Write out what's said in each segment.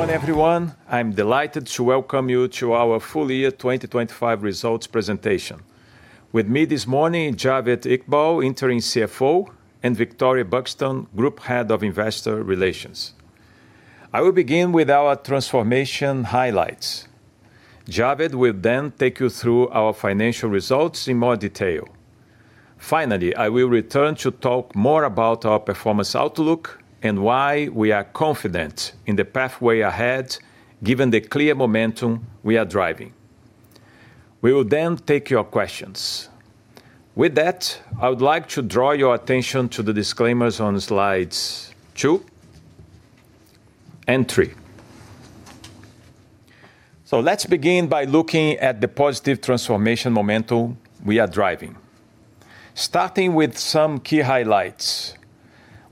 Good morning, everyone. I'm delighted to welcome you to our Full Year 2025 Results Presentation. With me this morning, Javed Iqbal, Interim CFO, and Victoria Buxton, Group Head of Investor Relations. I will begin with our transformation highlights. Javed will then take you through our financial results in more detail. Finally, I will return to talk more about our performance outlook and why we are confident in the pathway ahead, given the clear momentum we are driving. We will then take your questions. With that, I would like to draw your attention to the disclaimers on slides two and three. Let's begin by looking at the positive transformation momentum we are driving. Starting with some key highlights.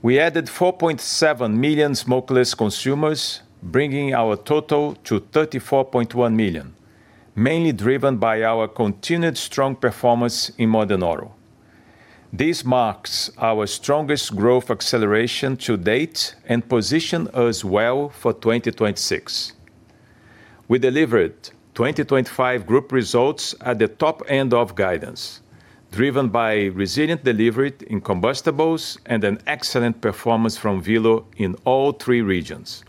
We added 4.7 million smokeless consumers, bringing our total to 34.1 million, mainly driven by our continued strong performance in Modern Oral. This marks our strongest growth acceleration to date and position us well for 2026. We delivered 2025 group results at the top end of guidance, driven by resilient delivery in combustibles and an excellent performance from VELO in all three regions.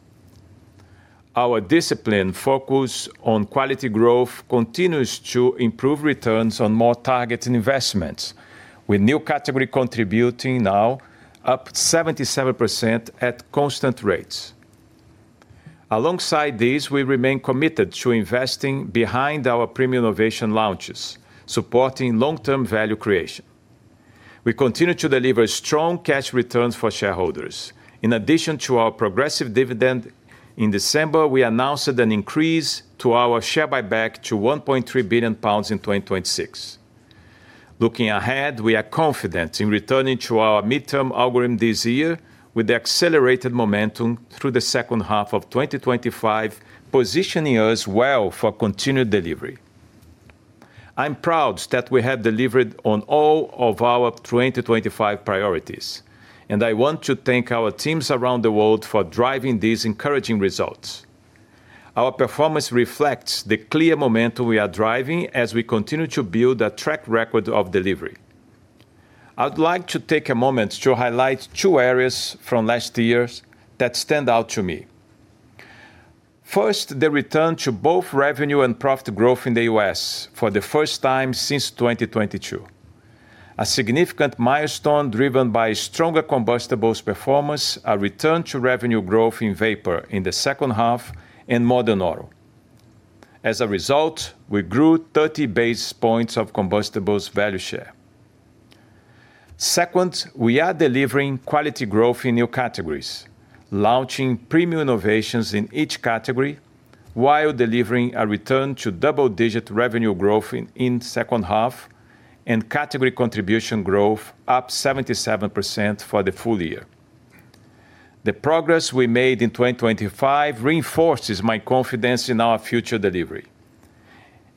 Our disciplined focus on quality growth continues to improve returns on more targeted investments, with new category contributing now up 77% at constant rates. Alongside this, we remain committed to investing behind our premium innovation launches, supporting long-term value creation. We continue to deliver strong cash returns for shareholders. In addition to our progressive dividend, in December, we announced an increase to our share buyback to 1.3 billion pounds in 2026. Looking ahead, we are confident in returning to our Midterm Algorithm this year, with the accelerated momentum through the second half of 2025, positioning us well for continued delivery. I'm proud that we have delivered on all of our 2025 priorities, and I want to thank our teams around the world for driving these encouraging results. Our performance reflects the clear momentum we are driving as we continue to build a track record of delivery. I'd like to take a moment to highlight two areas from last year that stand out to me. First, the return to both revenue and profit growth in the U.S. for the first time since 2022. A significant milestone driven by stronger combustibles performance, a return to revenue growth in vapor in the second half, and modern oral. As a result, we grew 30 basis points of combustibles value share. Second, we are delivering quality growth in new categories, launching premium innovations in each category, while delivering a return to double-digit revenue growth in the second half and category contribution growth up 77% for the full year. The progress we made in 2025 reinforces my confidence in our future delivery.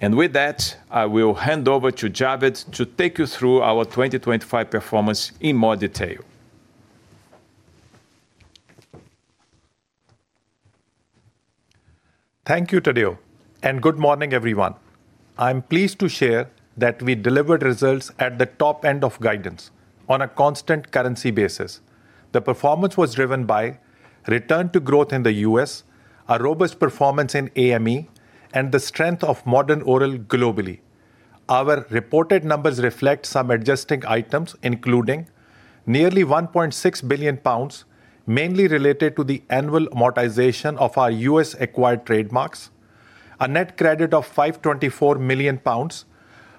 And with that, I will hand over to Javed to take you through our 2025 performance in more detail. Thank you, Tadeu, and good morning, everyone. I'm pleased to share that we delivered results at the top end of guidance on a constant currency basis. The performance was driven by return to growth in the U.S., a robust performance in AME, and the strength of modern oral globally. Our reported numbers reflect some adjusting items, including nearly 1.6 billion pounds, mainly related to the annual amortization of our U.S.-acquired trademarks. A net credit of 524 million pounds,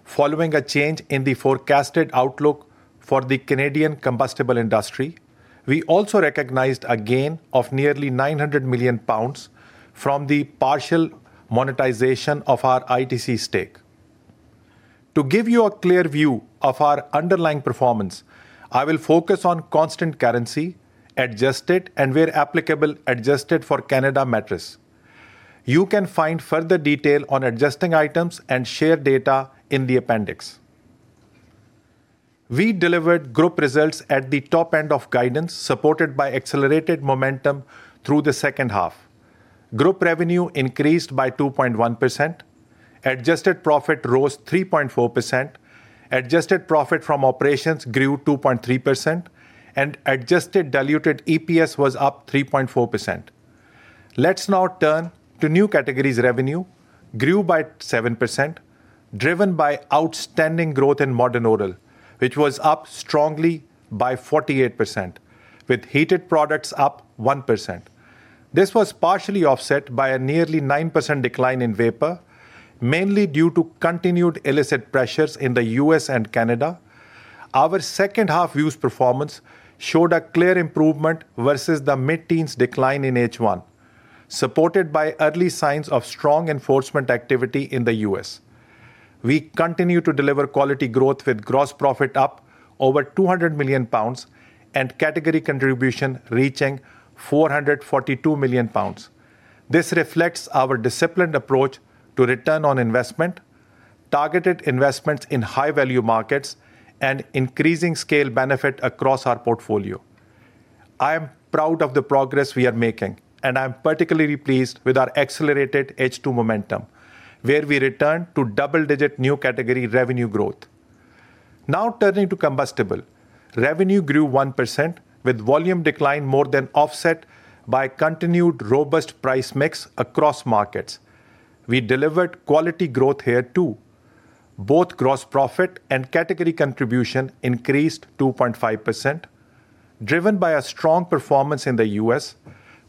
following a change in the forecasted outlook for the Canadian combustible industry. We also recognized a gain of nearly 900 million pounds from the partial monetization of our ITC stake. To give you a clear view of our underlying performance, I will focus on constant currency, adjusted, and where applicable, adjusted for Canada metrics. You can find further detail on adjusting items and share data in the appendix. We delivered group results at the top end of guidance, supported by accelerated momentum through the second half. Group revenue increased by 2.1%, adjusted profit rose 3.4%, adjusted profit from operations grew 2.3%, and adjusted diluted EPS was up 3.4%. Let's now turn to new categories revenue, grew by 7%, driven by outstanding growth in Modern Oral, which was up strongly by 48%, with Heated Products up 1%. This was partially offset by a nearly 9% decline in Vapor, mainly due to continued illicit pressures in the U.S. and Canada. Our second half U.S. performance showed a clear improvement versus the mid-teens decline in H1, supported by early signs of strong enforcement activity in the U.S. We continue to deliver quality growth, with gross profit up over 200 million pounds and category contribution reaching 442 million pounds. This reflects our disciplined approach to return on investment, targeted investments in high-value markets, and increasing scale benefit across our portfolio. I am proud of the progress we are making, and I'm particularly pleased with our accelerated H2 momentum, where we returned to double-digit new category revenue growth. Now turning to combustible. Revenue grew 1%, with volume decline more than offset by continued robust price mix across markets. We delivered quality growth here, too. Both gross profit and category contribution increased 2.5%, driven by a strong performance in the U.S.,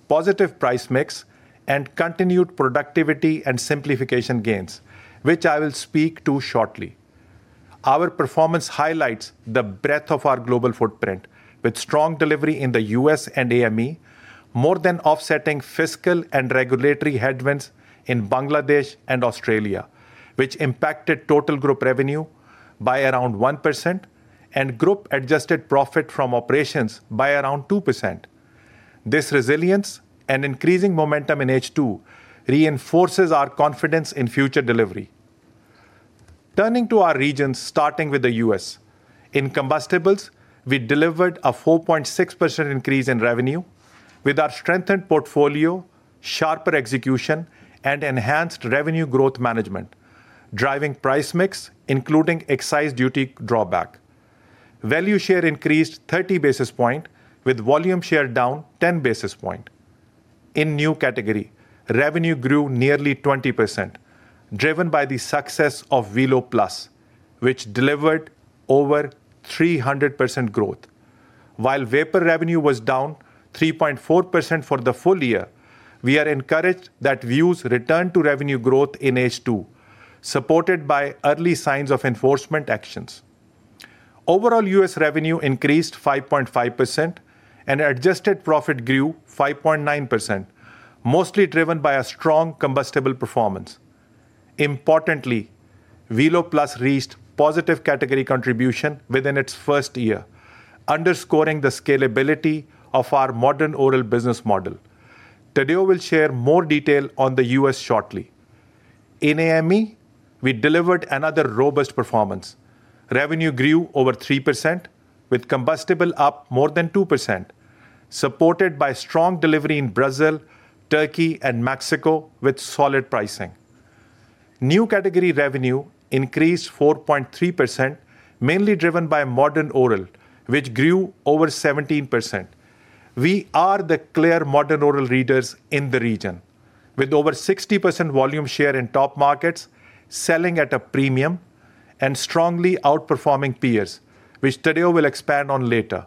positive price mix, and continued productivity and simplification gains, which I will speak to shortly. Our performance highlights the breadth of our global footprint, with strong delivery in the U.S. and AME, more than offsetting fiscal and regulatory headwinds in Bangladesh and Australia, which impacted total group revenue by around 1% and group adjusted profit from operations by around 2%. This resilience and increasing momentum in H2 reinforces our confidence in future delivery. Turning to our regions, starting with the U.S.. In combustibles, we delivered a 4.6% increase in revenue, with our strengthened portfolio, sharper execution, and enhanced revenue growth management, driving price mix, including excise duty drawback. Value share increased 30 basis points, with volume share down 10 basis points. In new category, revenue grew nearly 20%, driven by the success of VELO+, which delivered over 300% growth. While vapor revenue was down 3.4% for the full year, we are encouraged that Vuse returned to revenue growth in H2, supported by early signs of enforcement actions. Overall, U.S. revenue increased 5.5%, and adjusted profit grew 5.9%, mostly driven by a strong combustibles performance. Importantly, VELO+ reached positive category contribution within its first year, underscoring the scalability of our modern oral business model. Tadeu will share more detail on the U.S. shortly. In AME, we delivered another robust performance. Revenue grew over 3%, with combustibles up more than 2%, supported by strong delivery in Brazil, Turkey, and Mexico, with solid pricing. New category revenue increased 4.3%, mainly driven by modern oral, which grew over 17%. We are the clear Modern Oral leaders in the region, with over 60% volume share in top markets, selling at a premium, and strongly outperforming peers, which Tadeu will expand on later.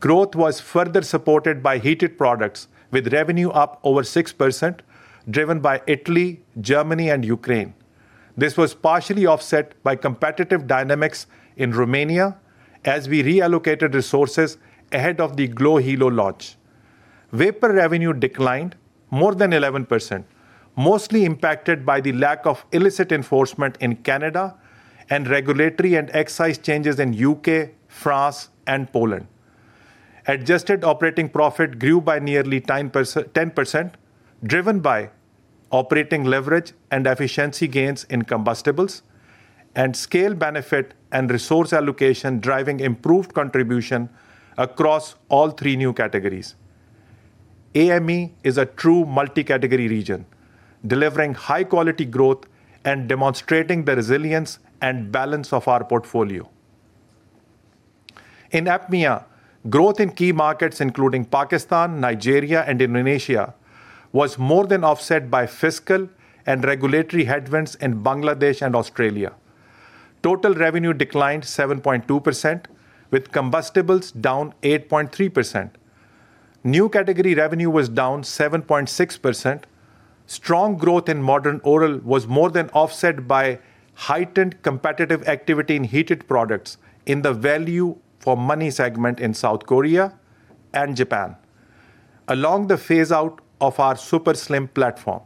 Growth was further supported by heated products, with revenue up over 6%, driven by Italy, Germany, and Ukraine. This was partially offset by competitive dynamics in Romania as we reallocated resources ahead of the glo Hilo launch. Vapor revenue declined more than 11%, mostly impacted by the lack of illicit enforcement in Canada and regulatory and excise changes in U.K., France, and Poland. Adjusted operating profit grew by nearly 10%, driven by operating leverage and efficiency gains in combustibles and scale benefit and resource allocation, driving improved contribution across all three new categories. AME is a true multi-category region, delivering high-quality growth and demonstrating the resilience and balance of our portfolio. In APMEA, growth in key markets, including Pakistan, Nigeria, and Indonesia, was more than offset by fiscal and regulatory headwinds in Bangladesh and Australia. Total revenue declined 7.2%, with combustibles down 8.3%. New category revenue was down 7.6%. Strong growth in modern oral was more than offset by heightened competitive activity in heated products in the value-for-money segment in South Korea and Japan, along the phaseout of our Super Slim platform.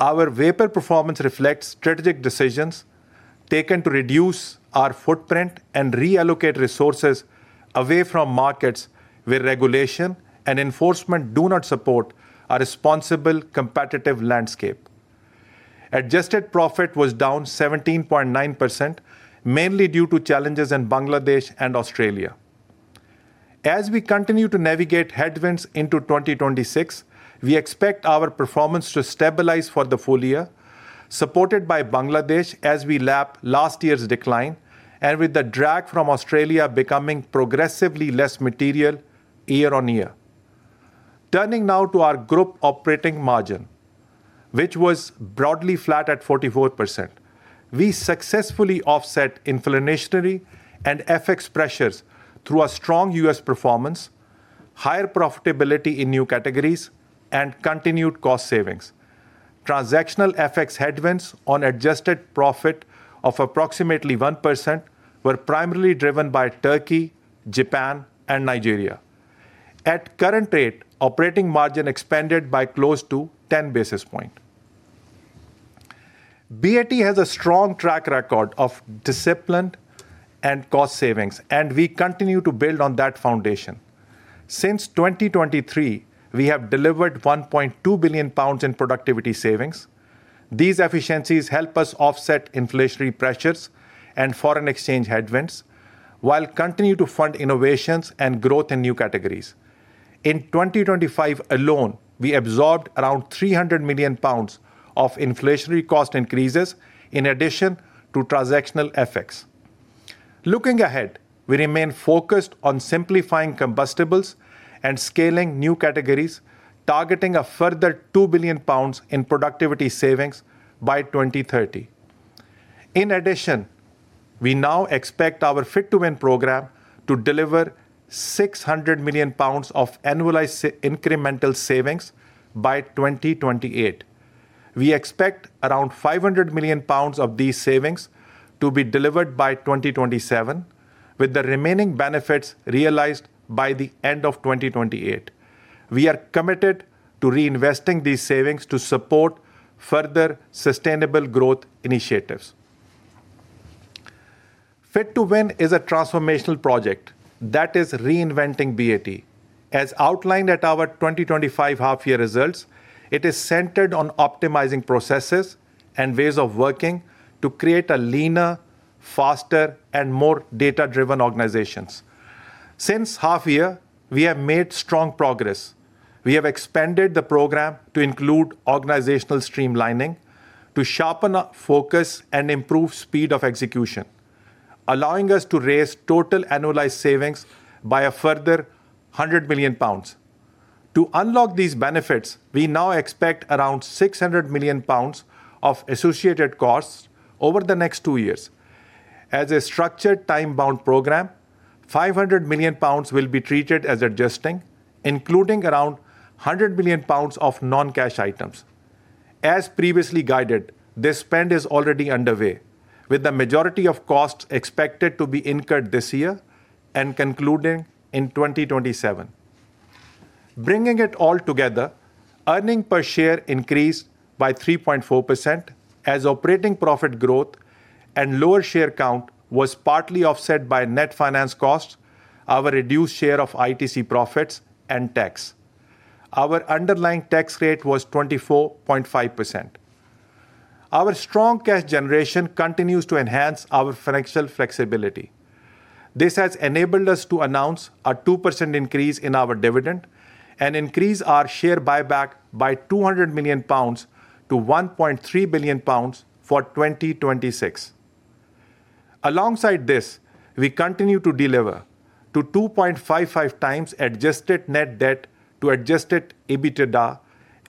Our vapor performance reflects strategic decisions taken to reduce our footprint and reallocate resources away from markets where regulation and enforcement do not support a responsible competitive landscape. Adjusted profit was down 17.9%, mainly due to challenges in Bangladesh and Australia. As we continue to navigate headwinds into 2026, we expect our performance to stabilize for the full year, supported by Bangladesh as we lap last year's decline, and with the drag from Australia becoming progressively less material year-on-year. Turning now to our group operating margin, which was broadly flat at 44%. We successfully offset inflationary and FX pressures through a strong U.S. performance, higher profitability in new categories, and continued cost savings. Transactional FX headwinds on adjusted profit of approximately 1% were primarily driven by Turkey, Japan, and Nigeria. At current rate, operating margin expanded by close to 10 basis points. BAT has a strong track record of disciplined and cost savings, and we continue to build on that foundation. Since 2023, we have delivered 1.2 billion pounds in productivity savings. These efficiencies help us offset inflationary pressures and foreign exchange headwinds, while continue to fund innovations and growth in new categories. In 2025 alone, we absorbed around 300 million pounds of inflationary cost increases in addition to transactional effects. Looking ahead, we remain focused on simplifying combustibles and scaling new categories, targeting a further 2 billion pounds in productivity savings by 2030. In addition, we now expect our Fit to Win program to deliver 600 million pounds of annualized incremental savings by 2028. We expect around 500 million pounds of these savings to be delivered by 2027, with the remaining benefits realized by the end of 2028. We are committed to reinvesting these savings to support further sustainable growth initiatives. Fit to Win is a transformational project that is reinventing BAT. As outlined at our 2025 half-year results, it is centered on optimizing processes and ways of working to create a leaner, faster, and more data-driven organizations. Since half year, we have made strong progress. We have expanded the program to include organizational streamlining, to sharpen up focus and improve speed of execution, allowing us to raise total annualized savings by a further 100 million pounds. To unlock these benefits, we now expect around 600 million pounds of associated costs over the next 2 years. As a structured time-bound program, 500 million pounds will be treated as adjusting, including around 100 million pounds of non-cash items. As previously guided, this spend is already underway, with the majority of costs expected to be incurred this year and concluding in 2027. Bringing it all together, earnings per share increased by 3.4%, as operating profit growth and lower share count was partly offset by net finance costs, our reduced share of ITC profits, and tax. Our underlying tax rate was 24.5%. Our strong cash generation continues to enhance our financial flexibility. This has enabled us to announce a 2% increase in our dividend and increase our share buyback by 200 million pounds to 1.3 billion pounds for 2026. Alongside this, we continue to deliver to 2.55x adjusted net debt to adjusted EBITDA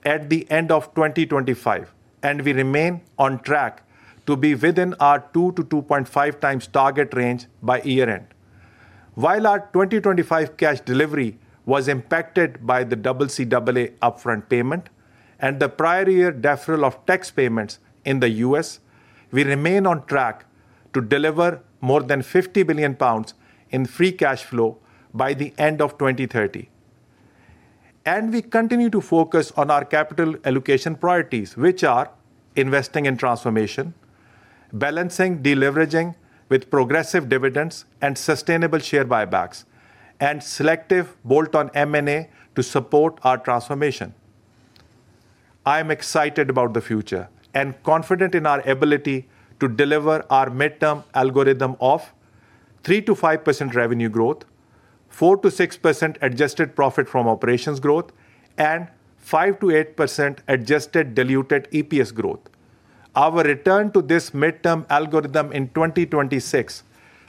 at the end of 2025, and we remain on track to be within our 2x-2.5x target range by year-end. While our 2025 cash delivery was impacted by the CCAA upfront payment and the prior year deferral of tax payments in the U.S., we remain on track to deliver more than 50 billion pounds in free cash flow by the end of 2030. We continue to focus on our capital allocation priorities, which are investing in transformation, balancing deleveraging with progressive dividends and sustainable share buybacks, and selective bolt-on M&A to support our transformation. I am excited about the future and confident in our ability to deliver our Midterm Algorithm of 3%-5% revenue growth, 4%-6% adjusted profit from operations growth, and 5%-8% adjusted diluted EPS growth. Our return to this Midterm Algorithm in 2026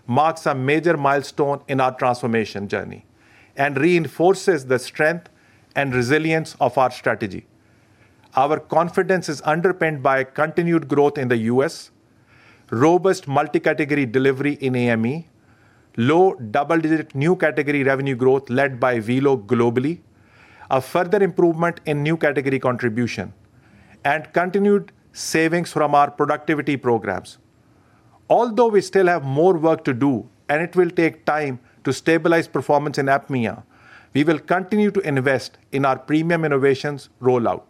marks a major milestone in our transformation journey and reinforces the strength and resilience of our strategy. Our confidence is underpinned by continued growth in the U.S., robust multi-category delivery in AME, low double-digit new category revenue growth led by VELO globally, a further improvement in new category contribution, and continued savings from our productivity programs. Although we still have more work to do, and it will take time to stabilize performance in APMEA, we will continue to invest in our premium innovations rollout.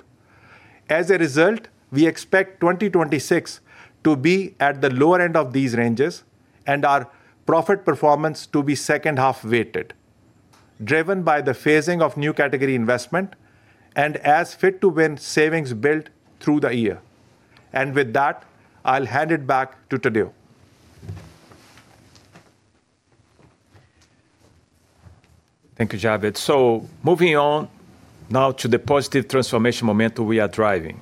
As a result, we expect 2026 to be at the lower end of these ranges and our profit performance to be second half weighted, driven by the phasing of new category investment and as Fit to Win savings built through the year. And with that, I'll hand it back to Tadeu. Thank you, Javed. So moving on now to the positive transformation momentum we are driving.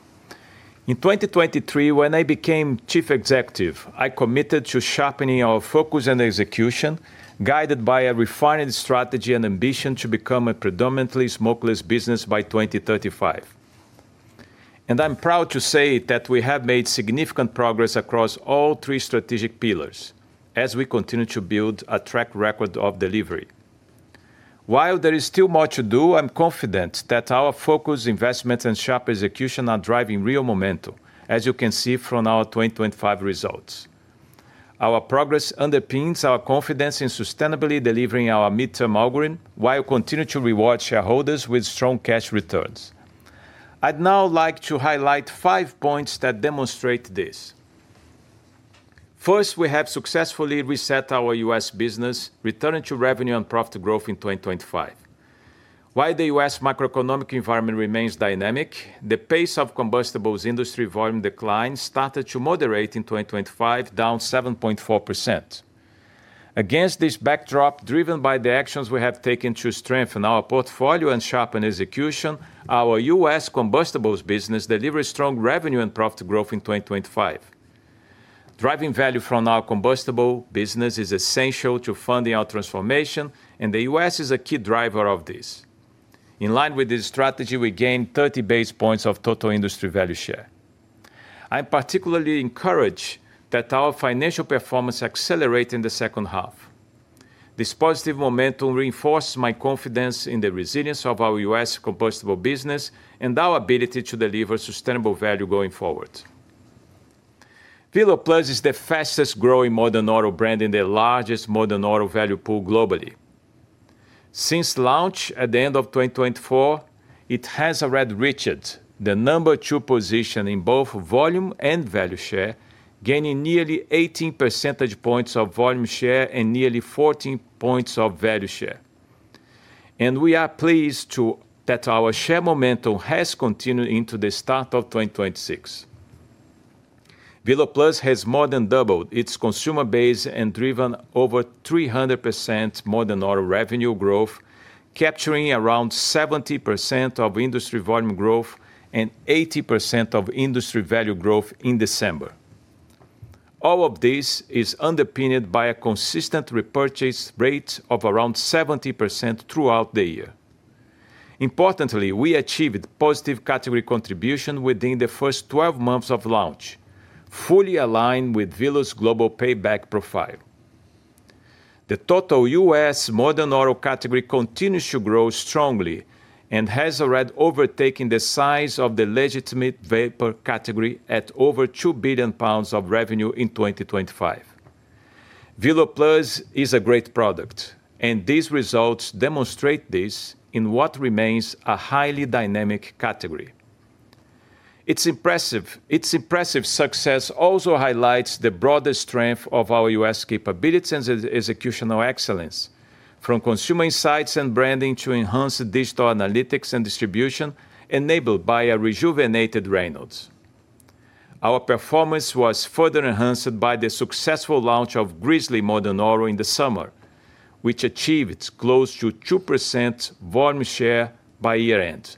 In 2023, when I became Chief Executive, I committed to sharpening our focus and execution, guided by a refined strategy and ambition to become a predominantly smokeless business by 2035. I'm proud to say that we have made significant progress across all three strategic pillars as we continue to build a track record of delivery. While there is still more to do, I'm confident that our focus, investments, and sharp execution are driving real momentum, as you can see from our 2025 results. Our progress underpins our confidence in sustainably delivering our Midterm Algorithm, while continuing to reward shareholders with strong cash returns. I'd now like to highlight five points that demonstrate this. First, we have successfully reset our U.S. business, returning to revenue and profit growth in 2025. While the U.S. macroeconomic environment remains dynamic, the pace of combustibles industry volume decline started to moderate in 2025, down 7.4%. Against this backdrop, driven by the actions we have taken to strengthen our portfolio and sharpen execution, our U.S. combustibles business delivered strong revenue and profit growth in 2025. Driving value from our combustible business is essential to funding our transformation, and the U.S. is a key driver of this. In line with this strategy, we gained 30 basis points of total industry value share. I'm particularly encouraged that our financial performance accelerate in the second half. This positive momentum reinforces my confidence in the resilience of our U.S. combustible business and our ability to deliver sustainable value going forward. VELO+ is the fastest-growing Modern Oral brand in the largest Modern Oral value pool globally. Since launch at the end of 2024, it has already reached the number 2 position in both volume and value share, gaining nearly 18 percentage points of volume share and nearly 14 points of value share. We are pleased that our share momentum has continued into the start of 2026. VELO+ has more than doubled its consumer base and driven over 300% Modern Oral revenue growth, capturing around 70% of industry volume growth and 80% of industry value growth in December. All of this is underpinned by a consistent repurchase rate of around 70% throughout the year. Importantly, we achieved positive category contribution within the first 12 months of launch, fully aligned with VELO's global payback profile. The total U.S. Modern Oral category continues to grow strongly and has already overtaken the size of the legitimate vapor category at over 2 billion pounds of revenue in 2025. VELO+ is a great product, and these results demonstrate this in what remains a highly dynamic category. It's impressive. Its impressive success also highlights the broader strength of our U.S. capabilities and executional excellence, from consumer insights and branding to enhanced digital analytics and distribution, enabled by a rejuvenated Reynolds. Our performance was further enhanced by the successful launch of Grizzly Modern Oral in the summer, which achieved close to 2% volume share by year-end,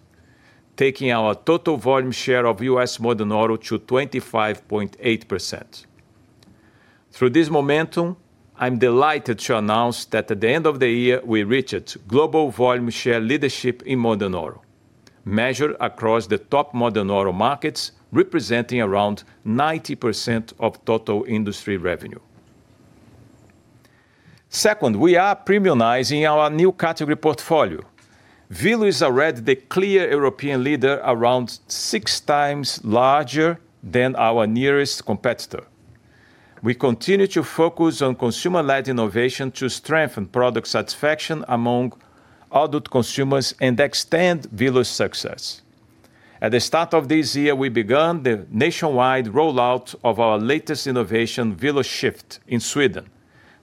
taking our total volume share of U.S. Modern Oral to 25.8%. Through this momentum, I'm delighted to announce that at the end of the year, we reached global volume share leadership in Modern Oral, measured across the top Modern Oral markets, representing around 90% of total industry revenue. Second, we are premiumizing our new category portfolio. VELO is already the clear European leader, around 6x larger than our nearest competitor. We continue to focus on consumer-led innovation to strengthen product satisfaction among adult consumers and extend VELO's success. At the start of this year, we began the nationwide rollout of our latest innovation, VELO Shift, in Sweden,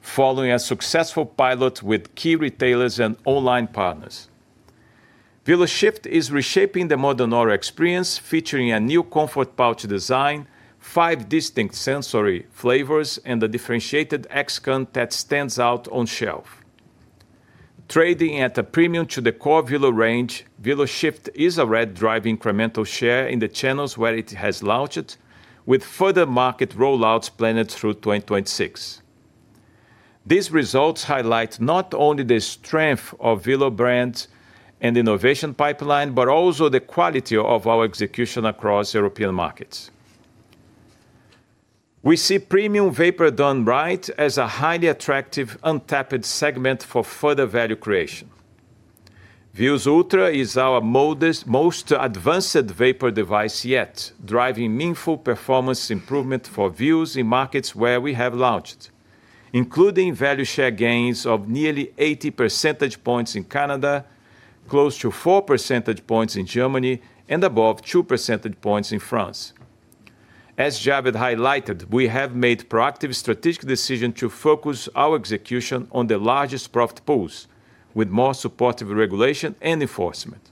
following a successful pilot with key retailers and online partners. VELO Shift is reshaping the modern oral experience, featuring a new comfort pouch design, five distinct sensory flavors, and a differentiated X count that stands out on shelf. Trading at a premium to the core VELO range, VELO Shift is already driving incremental share in the channels where it has launched, with further market rollouts planned through 2026. These results highlight not only the strength of VELO brand and innovation pipeline, but also the quality of our execution across European markets. We see premium vapor done right as a highly attractive, untapped segment for further value creation. Vuse Ultra is our modest, most advanced vapor device yet, driving meaningful performance improvement for Vuse in markets where we have launched, including value share gains of nearly 80 percentage points in Canada, close to 4 percentage points in Germany, and above 2 percentage points in France. As Javed highlighted, we have made proactive strategic decision to focus our execution on the largest profit pools, with more supportive regulation and enforcement.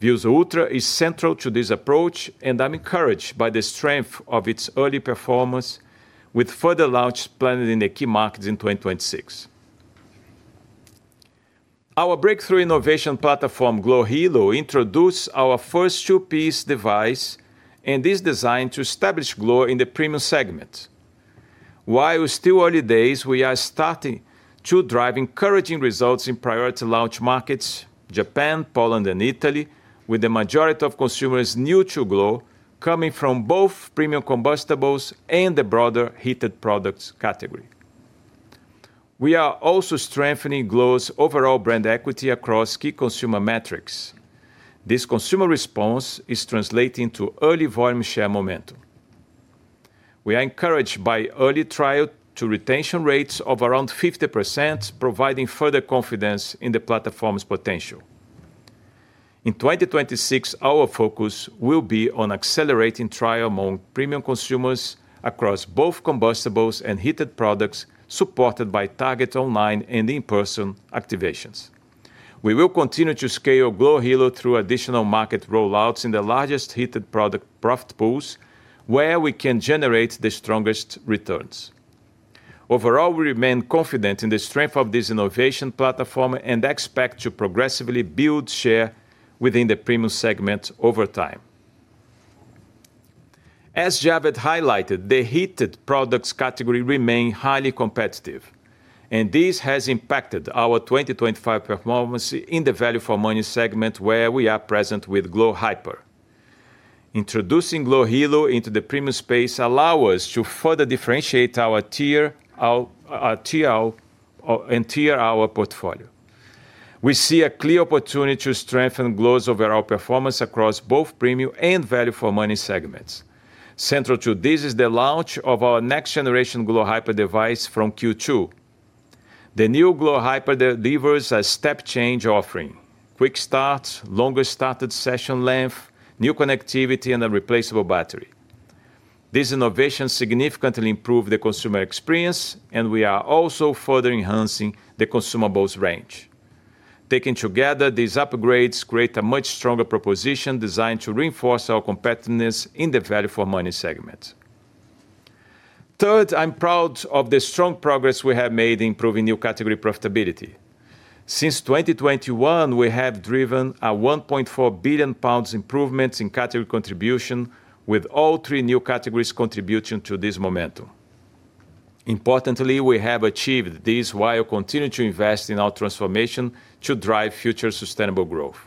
Vuse Ultra is central to this approach, and I'm encouraged by the strength of its early performance, with further launch planned in the key markets in 2026. Our breakthrough innovation platform, glo Hilo, introduced our first two-piece device and is designed to establish glo in the premium segment. While it's still early days, we are starting to drive encouraging results in priority launch markets, Japan, Poland and Italy, with the majority of consumers new to glo, coming from both premium combustibles and the broader heated products category. We are also strengthening glo's overall brand equity across key consumer metrics. This consumer response is translating to early volume share momentum. We are encouraged by early trial to retention rates of around 50%, providing further confidence in the platform's potential. In 2026, our focus will be on accelerating trial among premium consumers across both combustibles and heated products, supported by targeted online and in-person activations. We will continue to scale glo Hilo through additional market rollouts in the largest heated product profit pools, where we can generate the strongest returns. Overall, we remain confident in the strength of this innovation platform, and expect to progressively build share within the premium segment over time. As Javed highlighted, the heated products category remain highly competitive, and this has impacted our 2025 performance in the value for money segment, where we are present with glo Hyper. Introducing glo Hilo into the premium space allow us to further differentiate our tiered portfolio. We see a clear opportunity to strengthen glo's overall performance across both premium and value for money segments. Central to this is the launch of our next generation glo Hyper device from Q2. The new glo Hyper delivers a step change offering: quick start, longer standard session length, new connectivity, and a replaceable battery. These innovations significantly improve the consumer experience, and we are also further enhancing the consumables range. Taken together, these upgrades create a much stronger proposition designed to reinforce our competitiveness in the value for money segment. Third, I'm proud of the strong progress we have made in improving new category profitability. Since 2021, we have driven a 1.4 billion pounds improvements in category contribution, with all three new categories contributing to this momentum. Importantly, we have achieved this while continuing to invest in our transformation to drive future sustainable growth.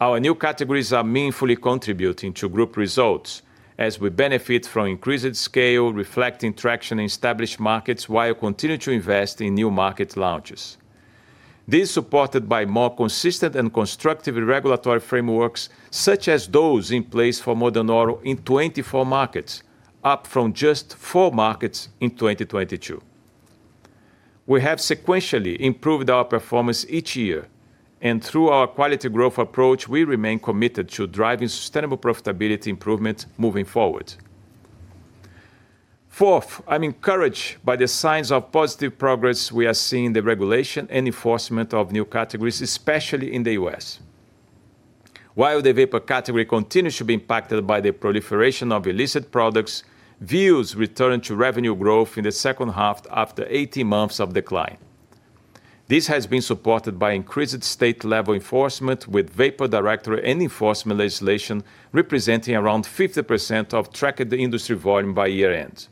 Our new categories are meaningfully contributing to group results as we benefit from increased scale, reflecting traction in established markets, while continuing to invest in new market launches. This, supported by more consistent and constructive regulatory frameworks, such as those in place for modern oral in 24 markets, up from just four markets in 2022. We have sequentially improved our performance each year, and through our quality growth approach, we remain committed to driving sustainable profitability improvement moving forward. Fourth, I'm encouraged by the signs of positive progress we are seeing in the regulation and enforcement of new categories, especially in the U.S. While the vapor category continues to be impacted by the proliferation of illicit products, Vuse returned to revenue growth in the second half after 18 months of decline. This has been supported by increased state-level enforcement, with vapor directory and enforcement legislation representing around 50% of tracked industry volume by year-end.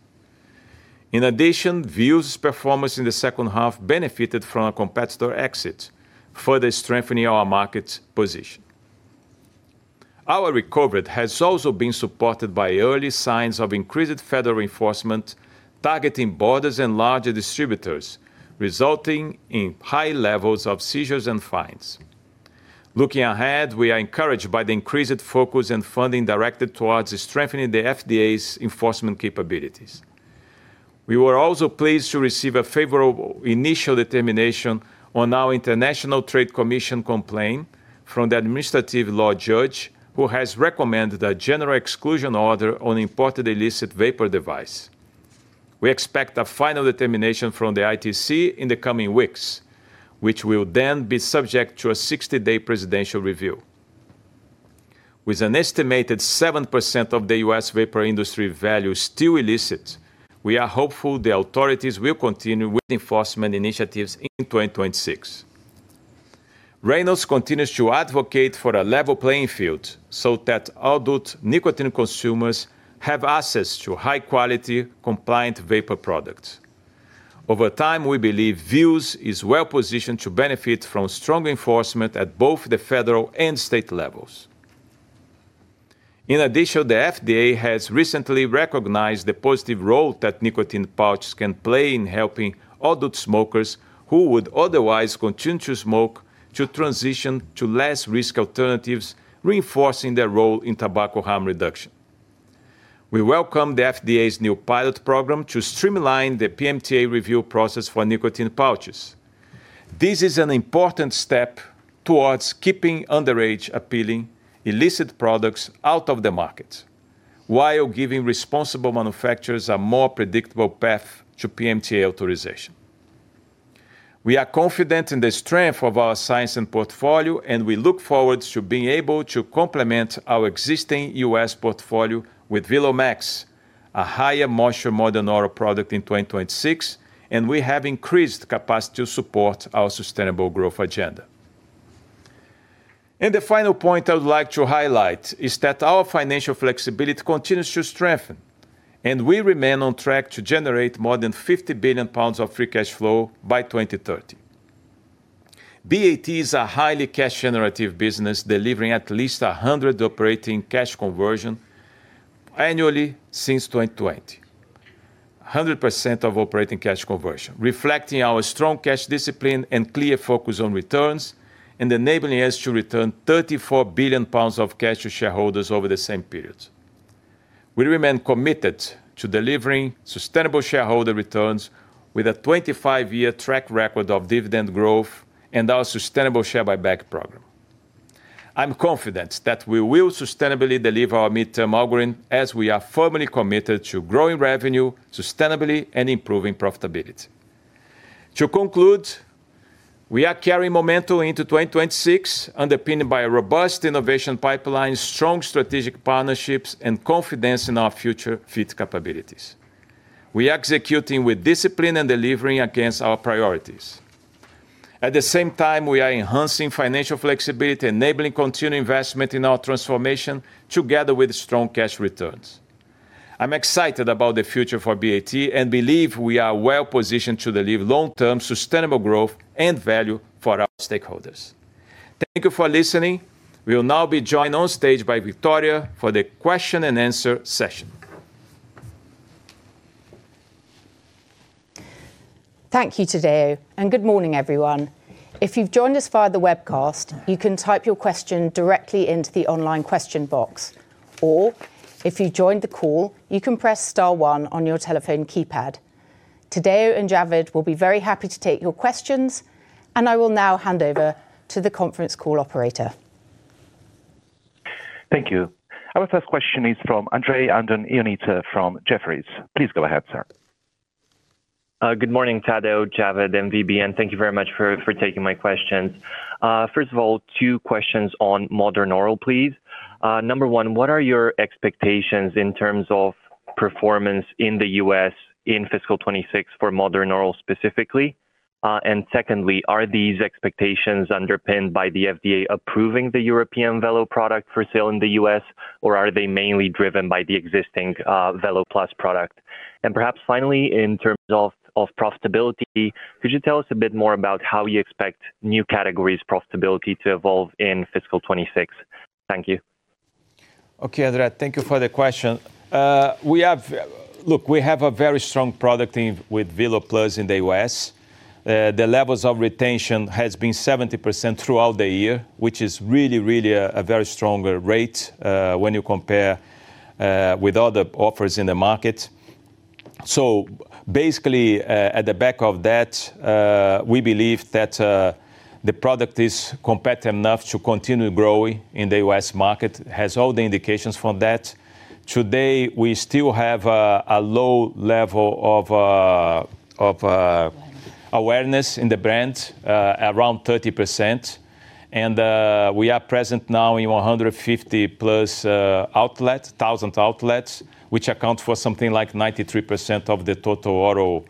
In addition, Vuse's performance in the second half benefited from a competitor exit, further strengthening our market position. Our recovery has also been supported by early signs of increased federal enforcement, targeting borders and larger distributors, resulting in high levels of seizures and fines. Looking ahead, we are encouraged by the increased focus and funding directed towards strengthening the FDA's enforcement capabilities. We were also pleased to receive a favorable initial determination on our International Trade Commission complaint from the administrative law judge, who has recommended a general exclusion order on imported illicit vapor device. We expect a final determination from the ITC in the coming weeks, which will then be subject to a 60-day presidential review. With an estimated 7% of the U.S. vapor industry value still illicit, we are hopeful the authorities will continue with enforcement initiatives in 2026. Reynolds continues to advocate for a level playing field, so that adult nicotine consumers have access to high-quality, compliant vapor products. Over time, we believe Vuse is well positioned to benefit from strong enforcement at both the federal and state levels. In addition, the FDA has recently recognized the positive role that nicotine pouches can play in helping adult smokers, who would otherwise continue to smoke, to transition to less risk alternatives, reinforcing their role in tobacco harm reduction. We welcome the FDA's new pilot program to streamline the PMTA review process for nicotine pouches. This is an important step towards keeping underage appealing, illicit products out of the market, while giving responsible manufacturers a more predictable path to PMTA authorization. We are confident in the strength of our science and portfolio, and we look forward to being able to complement our existing U.S. portfolio with VELO Max, a higher moisture modern oral product in 2026, and we have increased capacity to support our sustainable growth agenda. The final point I would like to highlight is that our financial flexibility continues to strengthen, and we remain on track to generate more than 50 billion pounds of free cash flow by 2030. BAT is a highly cash-generative business, delivering at least 100% operating cash conversion annually since 2020, 100% of operating cash conversion, reflecting our strong cash discipline and clear focus on returns, and enabling us to return 34 billion pounds of cash to shareholders over the same period. We remain committed to delivering sustainable shareholder returns with a 25-year track record of dividend growth and our sustainable share buyback program. I'm confident that we will sustainably deliver our Midterm Algorithm as we are firmly committed to growing revenue sustainably and improving profitability. To conclude, we are carrying momentum into 2026, underpinned by a robust innovation pipeline, strong strategic partnerships, and confidence in our future fit capabilities. We are executing with discipline and delivering against our priorities. At the same time, we are enhancing financial flexibility, enabling continued investment in our transformation together with strong cash returns. I'm excited about the future for BAT, and believe we are well positioned to deliver long-term sustainable growth and value for our stakeholders. Thank you for listening. We'll now be joined on stage by Victoria for the question and answer session. Thank you, Tadeu, and good morning, everyone. If you've joined us via the webcast, you can type your question directly into the online question box, or if you joined the call, you can press star one on your telephone keypad. Tadeu and Javed will be very happy to take your questions, and I will now hand over to the conference call operator. Thank you. Our first question is from Andrei Andon-Ionita from Jefferies. Please go ahead, sir. Good morning, Tadeu, Javed, and Victoria. Thank you very much for taking my questions. First of all, two questions on modern oral, please. Number one, what are your expectations in terms of performance in the U.S. in fiscal 2026 for modern oral specifically? And secondly, are these expectations underpinned by the FDA approving the European VELO product for sale in the U.S., or are they mainly driven by the existing VELO+ product? And perhaps finally, in terms of profitability, could you tell us a bit more about how you expect new categories' profitability to evolve in fiscal 2026? Thank you. Okay, Andrei, thank you for the question. Look, we have a very strong product team with VELO+ in the U.S. The levels of retention has been 70% throughout the year, which is really, really a very strong rate when you compare with other offers in the market. So basically, at the back of that, we believe that the product is competitive enough to continue growing in the U.S. market, has all the indications from that. Today, we still have a low level of awareness in the brand, around 30%, and we are present now in 100+ thousand outlets, which account for something like 93% of the total oral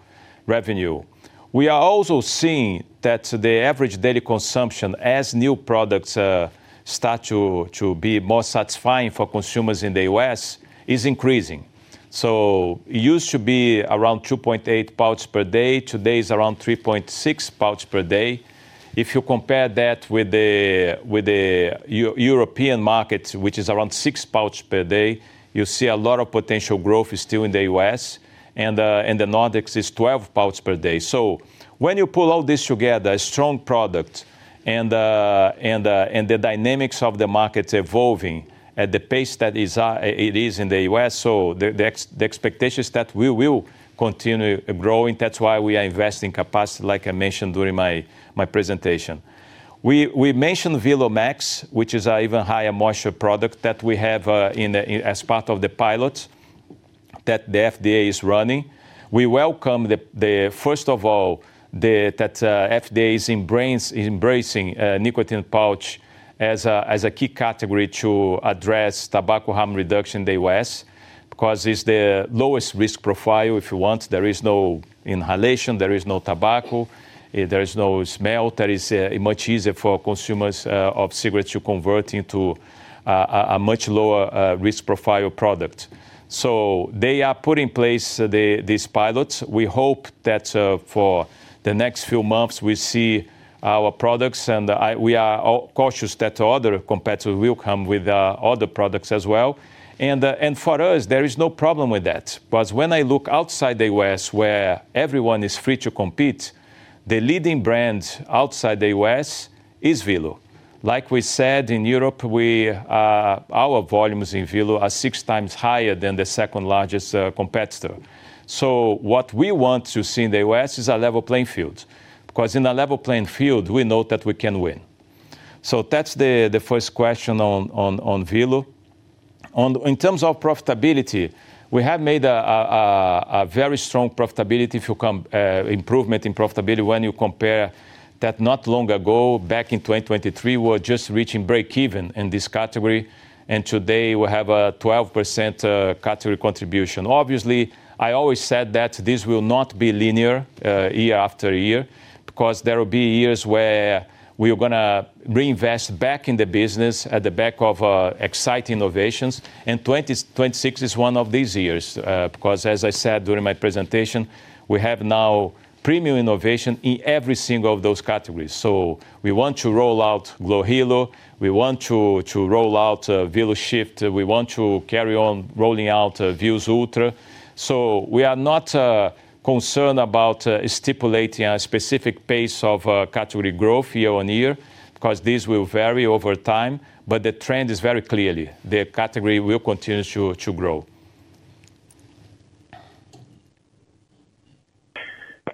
revenue. We are also seeing that the average daily consumption, as new products start to be more satisfying for consumers in the U.S., is increasing. So it used to be around 2.8 pouches per day. Today, it's around 3.6 pouches per day. If you compare that with the European market, which is around six pouches per day, you see a lot of potential growth is still in the U.S., and in the Nordics, it's 12 pouches per day. So when you pull all this together, a strong product and the dynamics of the market evolving at the pace that it is in the U.S., the expectation is that we will continue growing. That's why we are investing capacity, like I mentioned during my presentation. We mentioned VELO Max, which is an even higher moisture product that we have in as part of the pilot that the FDA is running. We welcome the, first of all, that FDA is embracing nicotine pouch as a key category to address tobacco harm reduction in the U.S., because it's the lowest risk profile, if you want. There is no inhalation, there is no tobacco, there is no smell. That is much easier for consumers of cigarettes to convert into a much lower risk profile product. So they are put in place these pilots. We hope that for the next few months, we see our products, and we are cautious that other competitors will come with other products as well. And, and for us, there is no problem with that. But when I look outside the U.S., where everyone is free to compete, the leading brand outside the U..S is VELO. Like we said, in Europe, we, our volumes in VELO are 6x higher than the second-largest competitor. So what we want to see in the U.S. is a level playing field, because in a level playing field, we know that we can win. So that's the first question on VELO. In terms of profitability, we have made a very strong improvement in profitability when you compare that not long ago, back in 2023, we were just reaching break even in this category, and today we have a 12% category contribution. Obviously, I always said that this will not be linear, year after year, because there will be years where we are gonna reinvest back in the business at the back of exciting innovations, and 2026 is one of these years, because, as I said during my presentation, we have now premium innovation in every single of those categories. So we want to roll out glo Hilo, we want to roll out VELO Shift, we want to carry on rolling out Vuse Ultra. So we are not concerned about stipulating a specific pace of category growth year on year, because this will vary over time, but the trend is very clearly, the category will continue to grow.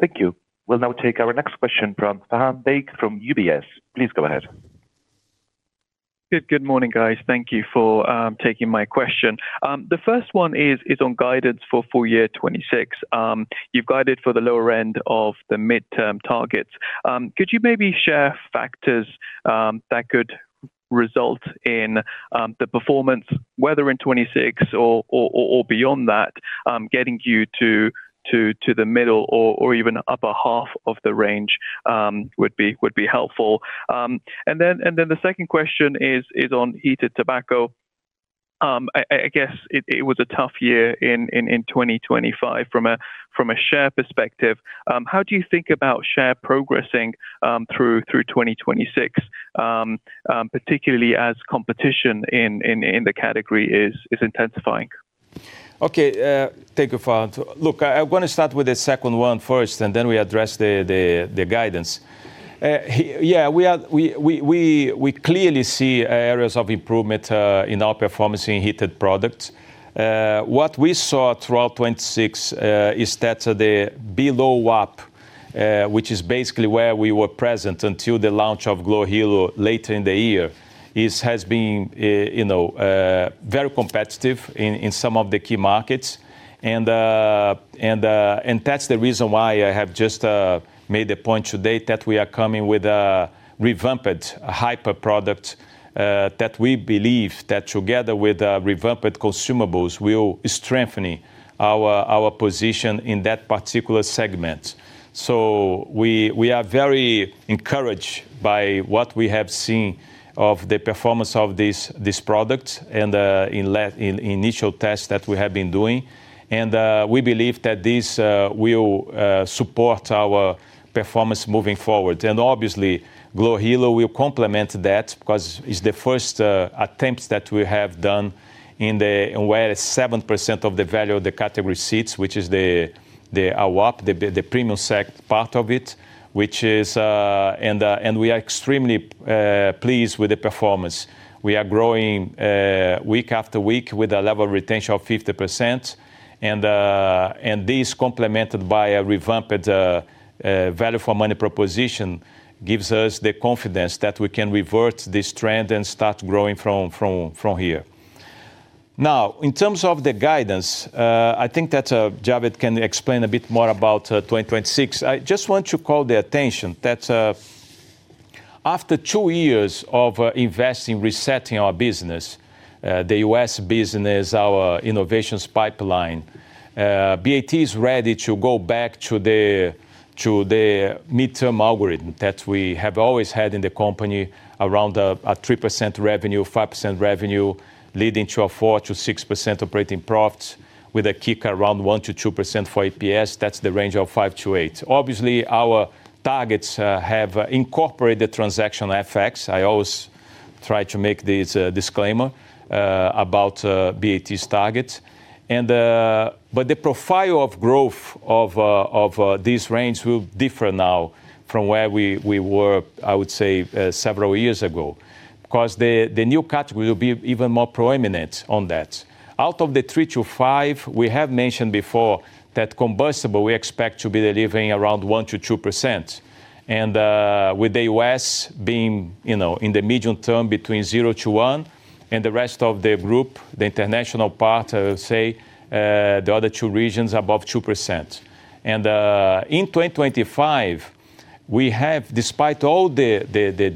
Thank you. We'll now take our next question from Faham Baig from UBS. Please go ahead. Good morning, guys. Thank you for taking my question. The first one is on guidance for full year 2026. You've guided for the lower end of the midterm targets. Could you maybe share factors that could result in the performance, whether in 2026 or beyond that, getting you to the middle or even upper half of the range, would be helpful? And then the second question is on heated tobacco. I guess it was a tough year in 2025 from a share perspective. How do you think about share progressing through 2026, particularly as competition in the category is intensifying? Okay, thank you, Fahad. Look, I want to start with the second one first, and then we address the guidance. Yeah, we are. We clearly see areas of improvement in our performance in heated products. What we saw throughout 2026 is that the below WAP, which is basically where we were present until the launch of glo Hilo later in the year, has been, you know, very competitive in some of the key markets. And that's the reason why I have just made the point today that we are coming with a revamped Hyper product that we believe that together with revamped consumables, will strengthen our position in that particular segment. So we are very encouraged by what we have seen of the performance of this product and in initial tests that we have been doing. We believe that this will support our performance moving forward. Obviously, glo Hilo will complement that, because it's the first attempts that we have done in the where 7% of the value of the category sits, which is the AWAP, the premium segment part of it, which is. We are extremely pleased with the performance. We are growing week after week with a level of retention of 50%, and this, complemented by a revamped value for money proposition, gives us the confidence that we can revert this trend and start growing from here. Now, in terms of the guidance, I think that Javed can explain a bit more about 2026. I just want to call the attention that after two years of investing, resetting our business, the U.S. business, our innovations pipeline, BAT is ready to go back to the Midterm Algorithm that we have always had in the company around 3%-5% revenue, leading to 4%-6% operating profit, with a kick around 1%-2% for EPS. That's the range of 5%-8%. Obviously, our targets have incorporated the transactional effects. I always try to make this disclaimer about BAT's targets. But the profile of growth of this range will differ now from where we were, I would say, several years ago, because the new category will be even more prominent on that. Out of the 3%-5%, we have mentioned before that combustibles we expect to be delivering around 1%-2%, and with the U.S. being, you know, in the medium term, between 0%-1%, and the rest of the group, the international part, I would say, the other two regions above 2%. In 2025, we have, despite all the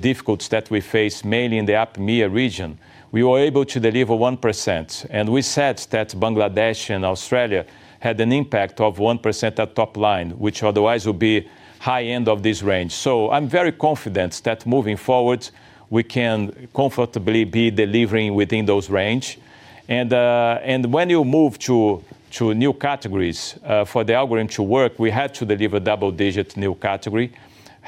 difficulties that we face, mainly in the APMEA region, we were able to deliver 1%, and we said that Bangladesh and Australia had an impact of 1% at top line, which otherwise would be high end of this range. So I'm very confident that moving forward, we can comfortably be delivering within those range. And when you move to new categories, for the algorithm to work, we had to deliver double-digit new category.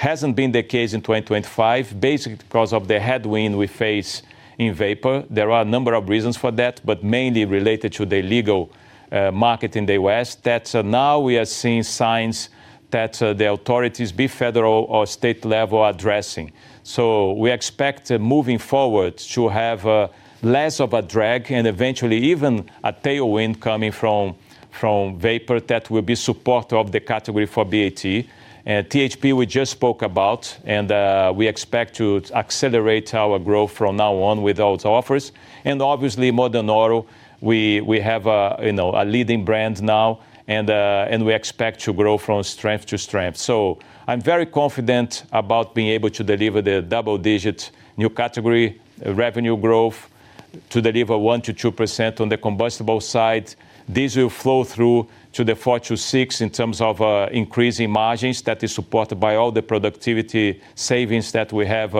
Hasn't been the case in 2025, basically because of the headwind we face in vapor. There are a number of reasons for that, but mainly related to the legal, market in the U.S., that now we are seeing signs that authorities, be federal or state level, are addressing. So we expect, moving forward, to have, less of a drag and eventually even a tailwind coming from vapor that will be support of the category for BAT. THP, we just spoke about, and, we expect to accelerate our growth from now on with those offers. And obviously, Modern Oral, we have a, you know, a leading brand now, and we expect to grow from strength to strength. So I'm very confident about being able to deliver the double-digit new category revenue growth, to deliver 1%-2% on the combustibles side. This will flow through to the 4%-6% in terms of increasing margins that is supported by all the productivity savings that we have,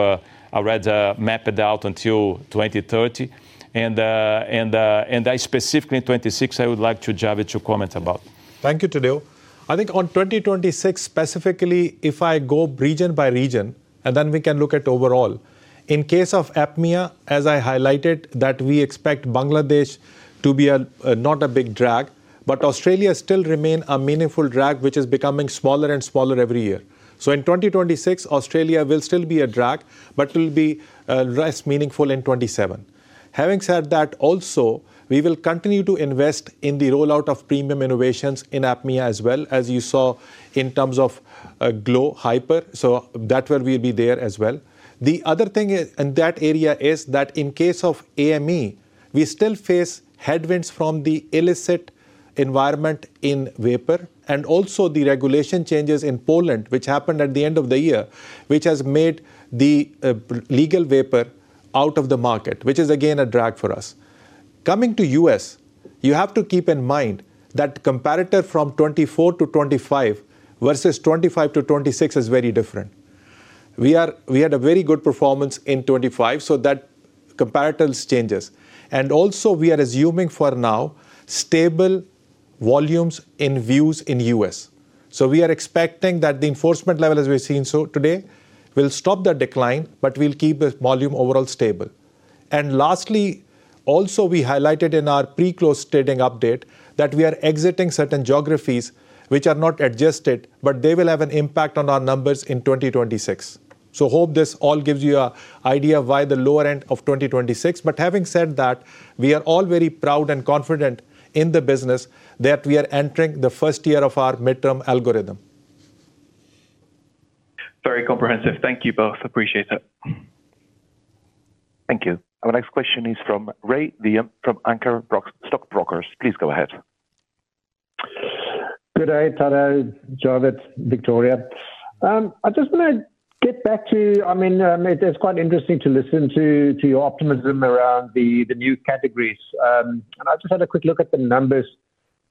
rather mapped out until 2030. And, and I specifically in 2026, I would like Javed to comment about. Thank you, Tadeu. I think on 2026, specifically, if I go region by region, and then we can look at overall, in case of APMEA, as I highlighted, that we expect Bangladesh to be a, not a big drag, but Australia still remain a meaningful drag, which is becoming smaller and smaller every year. So in 2026, Australia will still be a drag, but will be less meaningful in 2027. Having said that, also, we will continue to invest in the rollout of premium innovations in APMEA as well, as you saw in terms of glo Hyper. So that will be there as well. The other thing is, in that area, is that in case of AME, we still face headwinds from the illicit environment in vapor, and also the regulation changes in Poland, which happened at the end of the year, which has made the legal vapor out of the market, which is again, a drag for us. Coming to U.S., you have to keep in mind that comparator from 2024 to 2025 versus 2025 to 2026 is very different. We had a very good performance in 2025, so that comparatives changes. And also we are assuming for now, stable volumes in Vuse in U.S. So we are expecting that the enforcement level, as we've seen so today, will stop the decline, but we'll keep the volume overall stable. And lastly, also, we highlighted in our pre-close trading update that we are exiting certain geographies which are not adjusted, but they will have an impact on our numbers in 2026. So hope this all gives you an idea of why the lower end of 2026. But having said that, we are all very proud and confident in the business that we are entering the first year of our Midterm Algorithm. Very comprehensive. Thank you both. Appreciate it. Thank you. Our next question is from Rey Wium from Anchor Stockbrokers. Please go ahead. Good day, Tadeu, Javed, Victoria. I just wanna get back to, it is quite interesting to listen to your optimism around the new categories. And I just had a quick look at the numbers.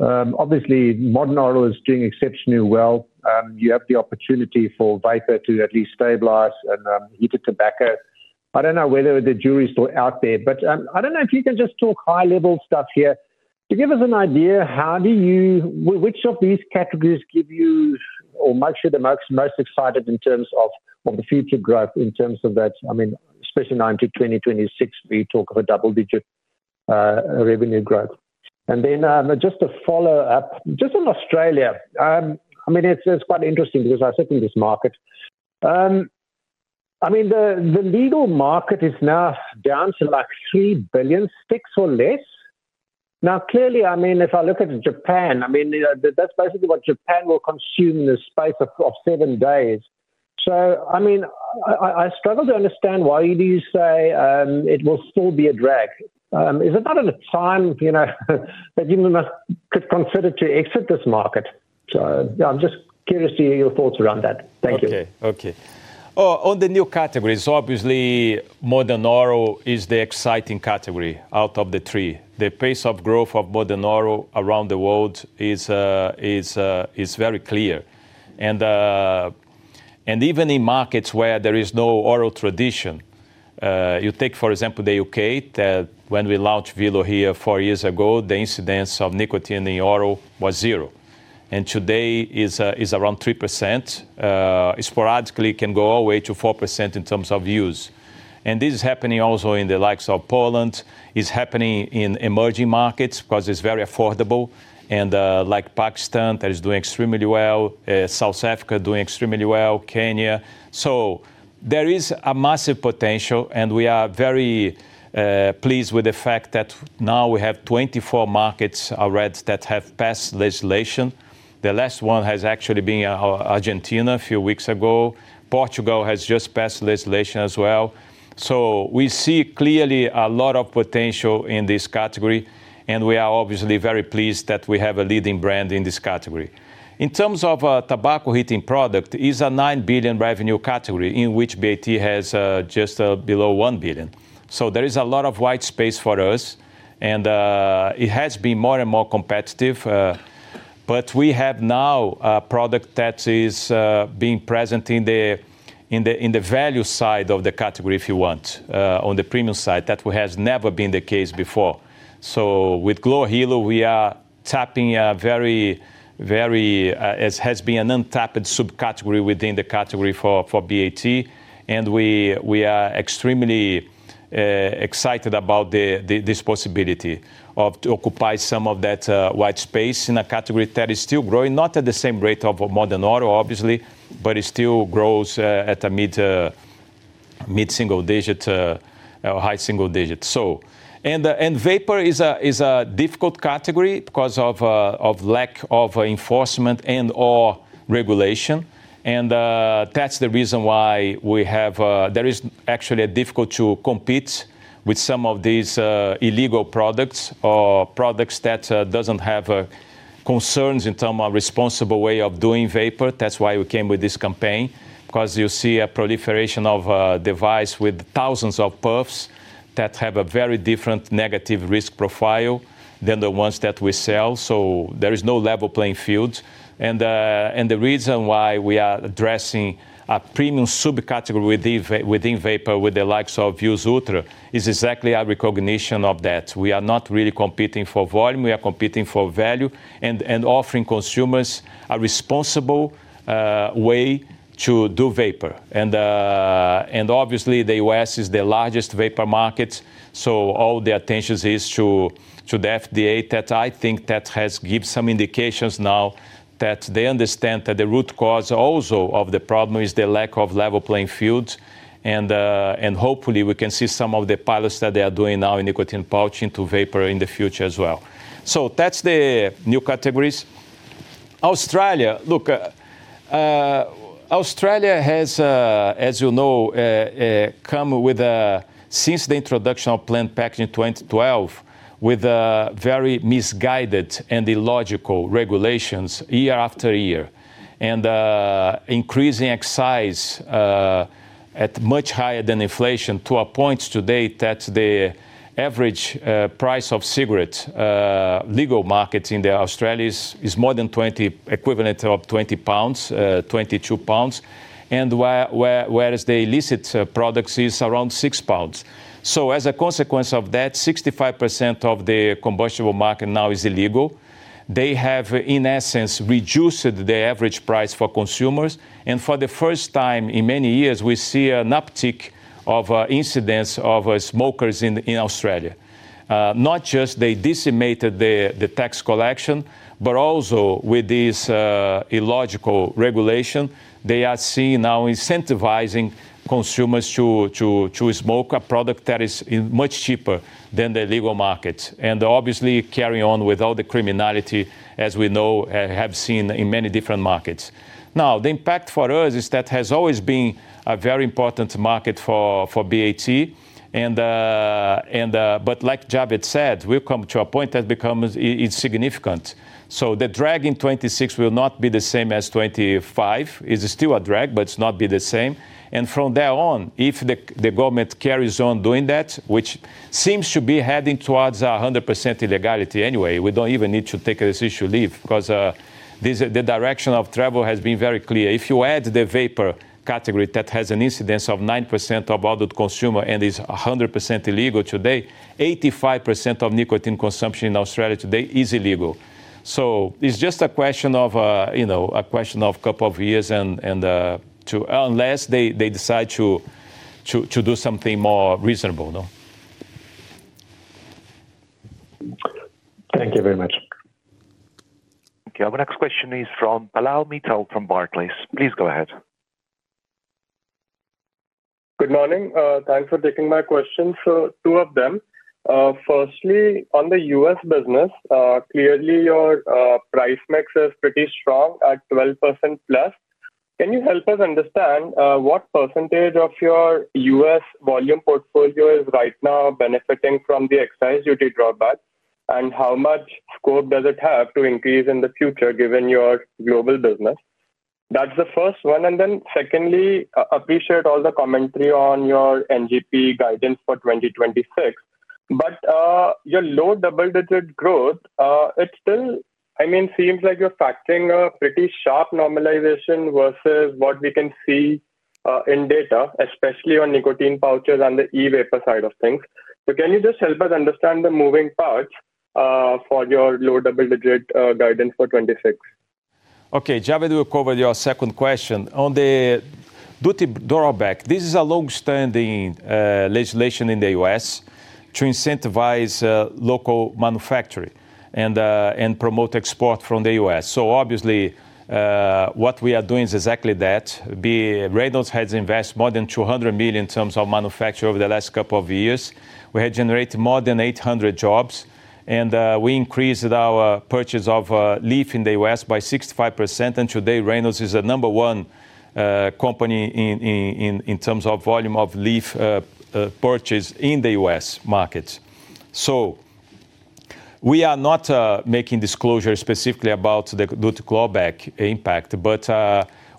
Obviously, Modern Oral is doing exceptionally well. You have the opportunity for Vapor to at least stabilize and heated tobacco. I don't know whether the jury is still out there, but I don't know if you can just talk high-level stuff here. To give us an idea, which of these categories give you or makes you the most excited in terms of the future growth, in terms of that, I mean, especially now into 2026, we talk of a double-digit revenue growth? Just to follow up, just on Australia, I mean, it's quite interesting because I sit in this market. I mean, the legal market is now down to, like, 3 billion sticks or less. Now, clearly, if I look at Japan, I mean, that's basically what Japan will consume in the space of 7 days. So I mean, I struggle to understand why you say it will still be a drag. Is it not at a time, you know, that you must consider to exit this market? So I'm just curious to hear your thoughts around that. Thank you. Okay. Okay. On the new categories, obviously, Modern Oral is the exciting category out of the three. The pace of growth of Modern Oral around the world is very clear. And even in markets where there is no oral tradition, you take, for example, the U.K., when we launched VELO here four years ago, the incidence of nicotine in the oral was zero, and today is around 3%, sporadically, it can go all the way to 4% in terms of use. And this is happening also in the likes of Poland. It's happening in emerging markets because it's very affordable, and like Pakistan that is doing extremely well, South Africa doing extremely well, Kenya. There is a massive potential, and we are very pleased with the fact that now we have 24 markets already that have passed legislation. The last one has actually been Argentina, a few weeks ago. Portugal has just passed legislation as well. We see clearly a lot of potential in this category, and we are obviously very pleased that we have a leading brand in this category. In terms of tobacco heating product, is a 9 billion revenue category in which BAT has just below 1 billion. So there is a lot of white space for us, and it has been more and more competitive, but we have now a product that is being present in the value side of the category, if you want, on the premium side, that one has never been the case before. With glo Hilo, we are tapping a very, very, it has been an untapped subcategory within the category for BAT, and we are extremely excited about this possibility to occupy some of that white space in a category that is still growing, not at the same rate of Modern Oral, obviously, but it still grows at a mid-single digit or high single digit. Vapor is a difficult category because of lack of enforcement and or regulation, and that's the reason why we have. There is actually a difficult to compete with some of these illegal products or products that doesn't have concerns in terms of a responsible way of doing vapor. That's why we came with this campaign, because you see a proliferation of device with thousands of puffs that have a very different negative risk profile than the ones that we sell. So there is no level playing field. And the reason why we are addressing a premium subcategory within vapor, with the likes of Vuse Ultra, is exactly our recognition of that. We are not really competing for volume, we are competing for value and offering consumers a responsible way to do vapor. Obviously, the U.S. is the largest vapor market, so all the attention is to the FDA that I think that has give some indications now that they understand that the root cause also of the problem is the lack of level playing field. And hopefully, we can see some of the pilots that they are doing now in nicotine pouch into vapor in the future as well. So that's the new categories, Australia, look, Australia has, as you know, since the introduction of plain packaging in 2012, with very misguided and illogical regulations year after year, and increasing excise at much higher than inflation, to a point today that the average price of cigarettes legal markets in Australia is more than twenty equivalent of 20 pounds, 22 pounds, and whereas the illicit products is around 6 pounds. So as a consequence of that, 65% of the combustible market now is illegal. They have, in essence, reduced the average price for consumers, and for the first time in many years, we see an uptick of incidents of smokers in Australia. Not just they decimated the tax collection, but also with this illogical regulation, they are seeing now incentivizing consumers to smoke a product that is much cheaper than the legal market, and obviously carry on with all the criminality, as we know, have seen in many different markets. Now, the impact for us is that has always been a very important market for BAT, and. But like Javed said, we've come to a point that becomes insignificant. So the drag in 2026 will not be the same as 2025. It's still a drag, but it's not be the same. And from there on, if the government carries on doing that, which seems to be heading towards 100% illegality anyway, we don't even need to take this issue lightly, 'cause the direction of travel has been very clear. If you add the vapor category, that has an incidence of 9% of adult consumer and is 100% illegal today, 85% of nicotine consumption in Australia today is illegal. So it's just a question of, you know, a couple of years and unless they decide to do something more reasonable, no? Thank you very much. Okay, our next question is from Pallav Mittal from Barclays. Please go ahead. Good morning. Thanks for taking my question. So two of them. Firstly, on the U.S. business, clearly your price mix is pretty strong at 12%+. Can you help us understand what percentage of your U.S. volume portfolio is right now benefiting from the excise duty drawback? And how much score does it have to increase in the future given your global business? That's the first one, and then secondly, appreciate all the commentary on your NGP guidance for 2026. But your low double-digit growth, it still, I mean, seems like you're factoring a pretty sharp normalization versus what we can see in data, especially on nicotine pouches and the e-vapor side of things. So can you just help us understand the moving parts for your low double-digit guidance for 2026? Okay, Javed, will cover your second question. On the duty drawback, this is a long-standing legislation in the U.S. to incentivize local manufacturing and promote export from the U.S. So obviously, what we are doing is exactly that. Reynolds has invested more than $200 million in terms of manufacture over the last couple of years. We have generated more than 800 jobs, and we increased our purchase of leaf in the U.S. by 65%, and today, Reynolds is the number one company in terms of volume of leaf purchase in the U.S. market. So we are not making disclosure specifically about the duty drawback impact, but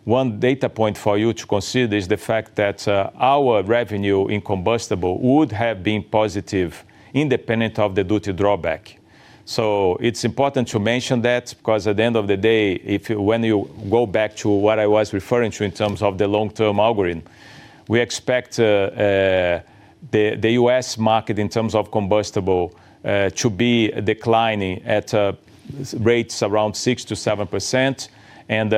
one data point for you to consider is the fact that our revenue in combustible would have been positive independent of the duty drawback. So it's important to mention that, because at the end of the day, if you—when you go back to what I was referring to in terms of the long-term algorithm, we expect the U.S. market, in terms of combustible, to be declining at rates around 6%-7%, and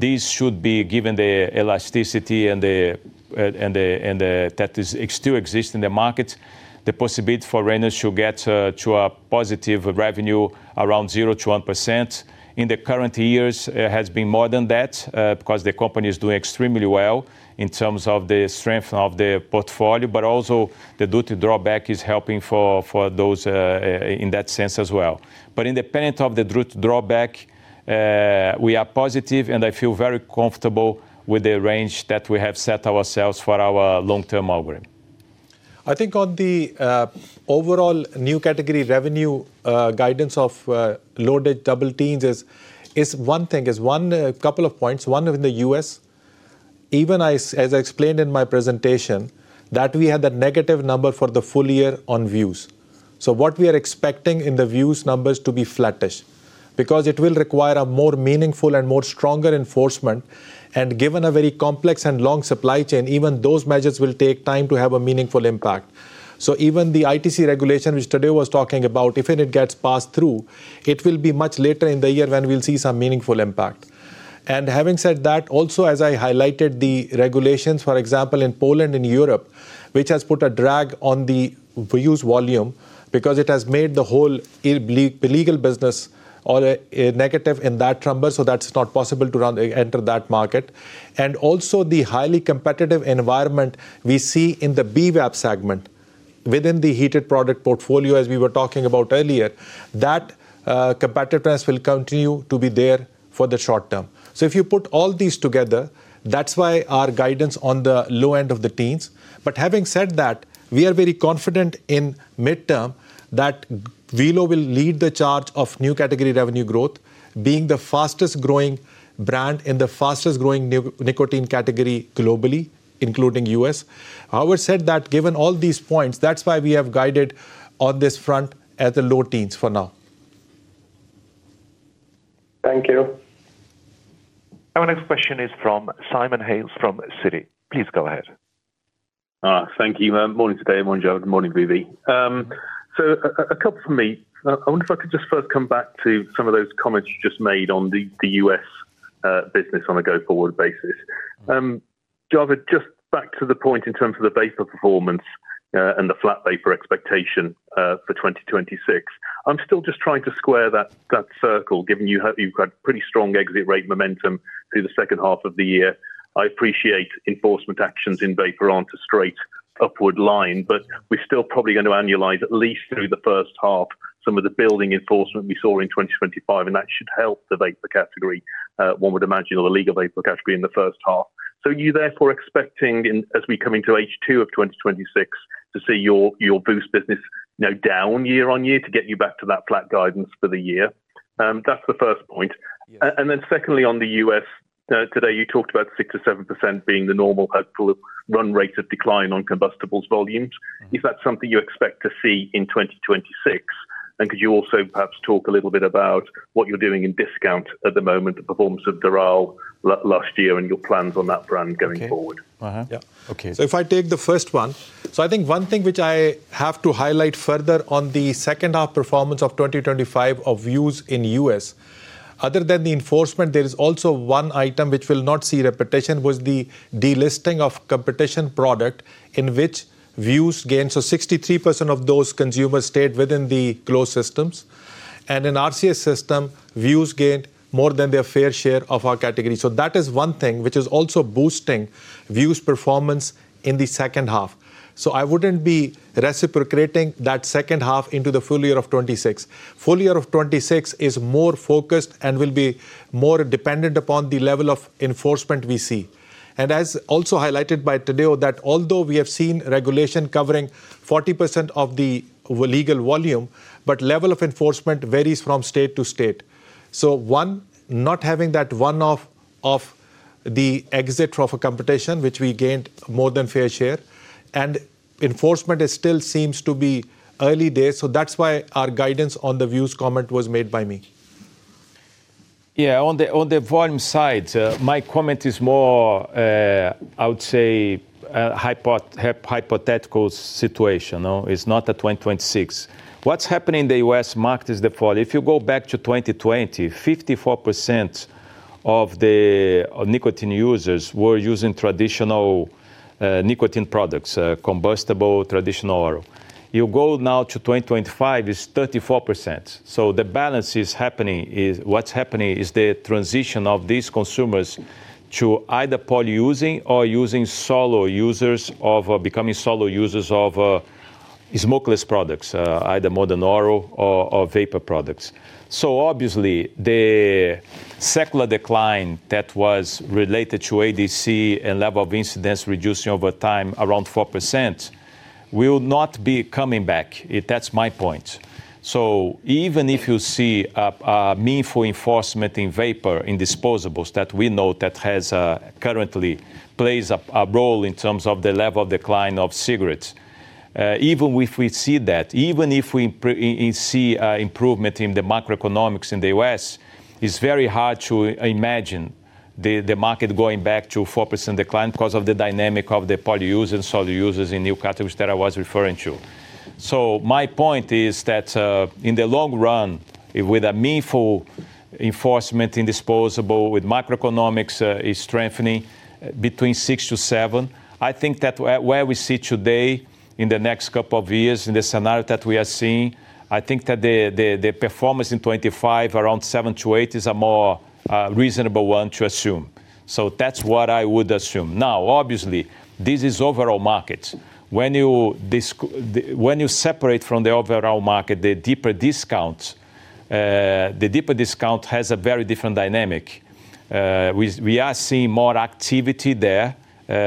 this should be given the elasticity and the that is still exists in the market, the possibility for Reynolds to get to a positive revenue around 0%-1%. In the current years, it has been more than that, because the company is doing extremely well in terms of the strength of the portfolio, but also the duty drawback is helping for those in that sense as well. But independent of the drawback, we are positive, and I feel very comfortable with the range that we have set ourselves for our long-term algorithm. I think on the overall new category revenue guidance of low double digits is one thing, one couple of points, one in the U.S. Even I, as I explained in my presentation, that we had a negative number for the full year on Vuse. So what we are expecting in the Vuse numbers to be flattish, because it will require a more meaningful and more stronger enforcement, and given a very complex and long supply chain, even those measures will take time to have a meaningful impact. So even the ITC regulation, which today was talking about, if it gets passed through, it will be much later in the year when we'll see some meaningful impact. Having said that, also, as I highlighted the regulations, for example, in Poland and Europe, which has put a drag on the Vuse volume because it has made the whole illegal business on a negative in that number, so that's not possible to run, enter that market. And also the highly competitive environment we see in the vapor segment within the heated product portfolio, as we were talking about earlier, that competitiveness will continue to be there for the short term. So if you put all these together, that's why our guidance on the low end of the teens. But having said that, we are very confident in midterm that VELO will lead the charge of new category revenue growth, being the fastest-growing brand in the fastest-growing nicotine category globally, including US. I always said that given all these points, that's why we have guided on this front at the low teens for now. Thank you. Our next question is from Simon Hales from Citi. Please go ahead. Thank you. Morning, Tadeu, morning, Javed, morning, VV. So a couple from me. I wonder if I could just first come back to some of those comments you just made on the U.S. business on a go-forward basis. Javed, just back to the point in terms of the vapor performance and the flat vapor expectation for 2026. I'm still just trying to square that circle, given you've got pretty strong exit rate momentum through the second half of the year. I appreciate enforcement actions in vapor aren't a straight upward line, but we're still probably going to annualize at least through the first half some of the building enforcement we saw in 2025, and that should help the vapor category, one would imagine, or the legal vapor category in the first half. So are you therefore expecting, as we come into H2 of 2026 to see your, your boost business now down year-on-year to get you back to that flat guidance for the year? And then secondly, on the U.S., today, you talked about 6%-7% being the normal helpful run rate of decline on combustibles volumes. Is that something you expect to see in 2026? And could you also perhaps talk a little bit about what you're doing in discount at the moment, the performance of Doral last year, and your plans on that brand going forward? So if I take the first one, so I think one thing which I have to highlight further on the second half performance of 2025 of Vuse in U.S., other than the enforcement, there is also one item which will not see repetition, was the delisting of competing product in which Vuse gained. So 63% of those consumers stayed within the closed systems, and in RCS system, Vuse gained more than their fair share of our category. So that is one thing which is also boosting Vuse performance in the second half. So I wouldn't be replicating that second half into the full year of 2026. Full year of 2026 is more focused and will be more dependent upon the level of enforcement we see. As also highlighted by Tadeu, that although we have seen regulation covering 40% of the legal volume, but level of enforcement varies from state to state. So, one, not having that one-off of the exit profit computation, which we gained more than fair share, and enforcement, it still seems to be early days, so that's why our guidance on the Vuse comment was made by me. Yeah, on the volume side, my comment is more, I would say, hypothetical situation, no? It's not a 2026. What's happening in the U.S. market is the following: If you go back to 2020, 54% of the nicotine users were using traditional nicotine products, combustible, traditional oral. You go now to 2025, it's 34%. What's happening is the transition of these consumers to either polyusing or becoming solo users of, smokeless products, either modern oral or vapor products. So obviously, the secular decline that was related to ADC and level of incidence reducing over time, around 4%, will not be coming back. That's my point. So even if you see a meaningful enforcement in vapor, in disposables, that we know that has currently plays a role in terms of the level of decline of cigarettes, even if we see that, even if we see improvement in the macroeconomics in the U.S., it's very hard to imagine the market going back to 4% decline because of the dynamic of the polyusers and solo users in new categories that I was referring to. My point is that, in the long run, with a meaningful enforcement in disposable, with macroeconomics strengthening between 6%-7%, I think that where we see today, in the next couple of years, in the scenario that we are seeing, I think that the performance in 2025, around 7%-8%, is a more reasonable one to assume. That's what I would assume. Now, obviously, this is overall market. When you separate from the overall market, the deeper discount has a very different dynamic. We are seeing more activity there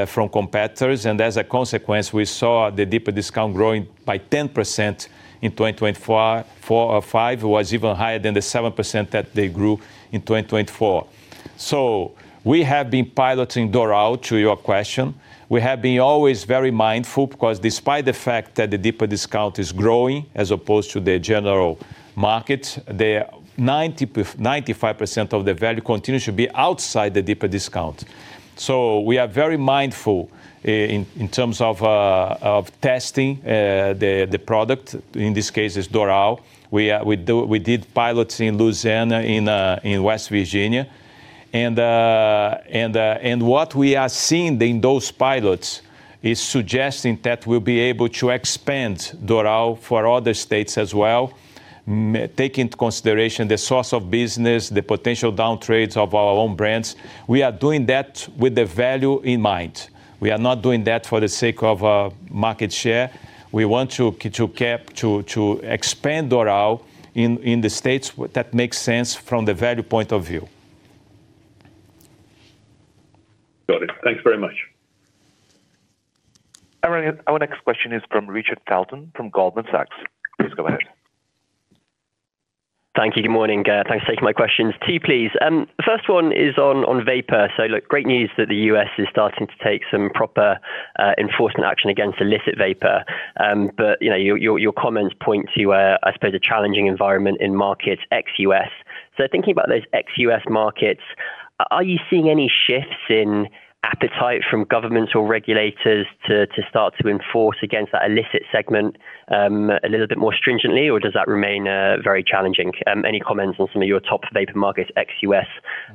from competitors, and as a consequence, we saw the deeper discount growing by 10% in 2024, 4% or 5%. It was even higher than the 7% that they grew in 2024. So we have been piloting Doral, to your question. We have been always very mindful, because despite the fact that the deeper discount is growing, as opposed to the general market, the 95% of the value continues to be outside the deeper discount. So we are very mindful in terms of testing the product. In this case, it's Doral. We did pilots in Louisiana, in West Virginia, and what we are seeing in those pilots is suggesting that we'll be able to expand Doral for other states as well take into consideration the source of business, the potential downtrades of our own brands. We are doing that with the value in mind. We are not doing that for the sake of market share. We want to cap, to expand oral in the States, that makes sense from the value point of view. Got it. Thanks very much. Our our next question is from Richard Felton from Goldman Sachs. Please go ahead. Thank you. Good morning. Thanks for taking my questions. Two, please. The first one is on vapor. So look, great news that the U.S. is starting to take some proper enforcement action against illicit vapor. But you know, your comments point to, I suppose, a challenging environment in markets ex-U.S. So thinking about those ex-U.S. markets, are you seeing any shifts in appetite from governments or regulators to start to enforce against that illicit segment a little bit more stringently, or does that remain very challenging? Any comments on some of your top vapor markets, ex-U.S.,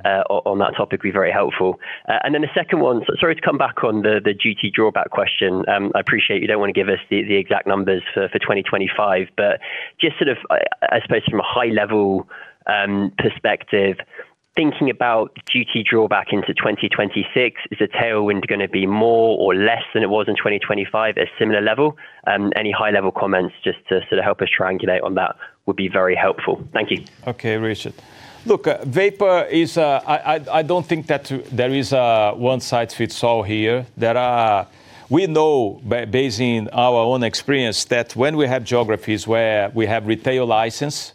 on that topic will be very helpful. And then the second one, so sorry to come back on the duty drawback question. I appreciate you don't want to give us the exact numbers for 2025, but just sort of, I suppose from a high level perspective, thinking about duty drawback into 2026, is the tailwind gonna be more or less than it was in 2025, a similar level? Any high-level comments just to sort of help us triangulate on that would be very helpful. Thank you. Okay, Richard. Look, vapor is, I don't think that there is a one-size-fits-all here. We know, based on our own experience, that when we have geographies where we have retail license,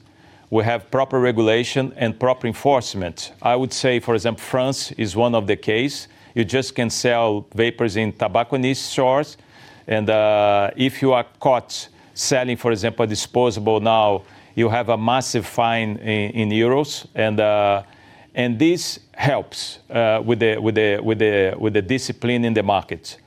we have proper regulation and proper enforcement. I would say, for example, France is one of the case. You just can sell vapor in tobacconist stores, and this helps with the discipline in the market.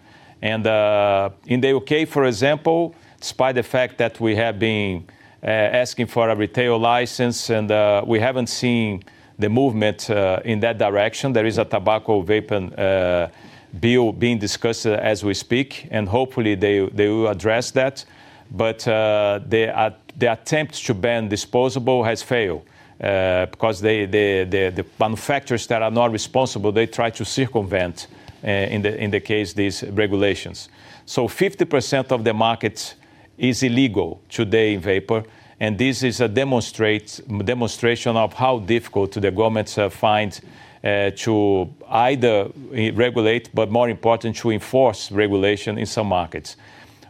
In the U.K., for example, despite the fact that we have been asking for a retail license and we haven't seen the movement in that direction, there is a tobacco vapor bill being discussed as we speak, and hopefully they will address that. But the attempts to ban disposable has failed because the manufacturers that are not responsible try to circumvent these regulations. So 50% of the market is illegal today in vapor, and this is a demonstration of how difficult the governments find to either regulate, but more important, to enforce regulation in some markets.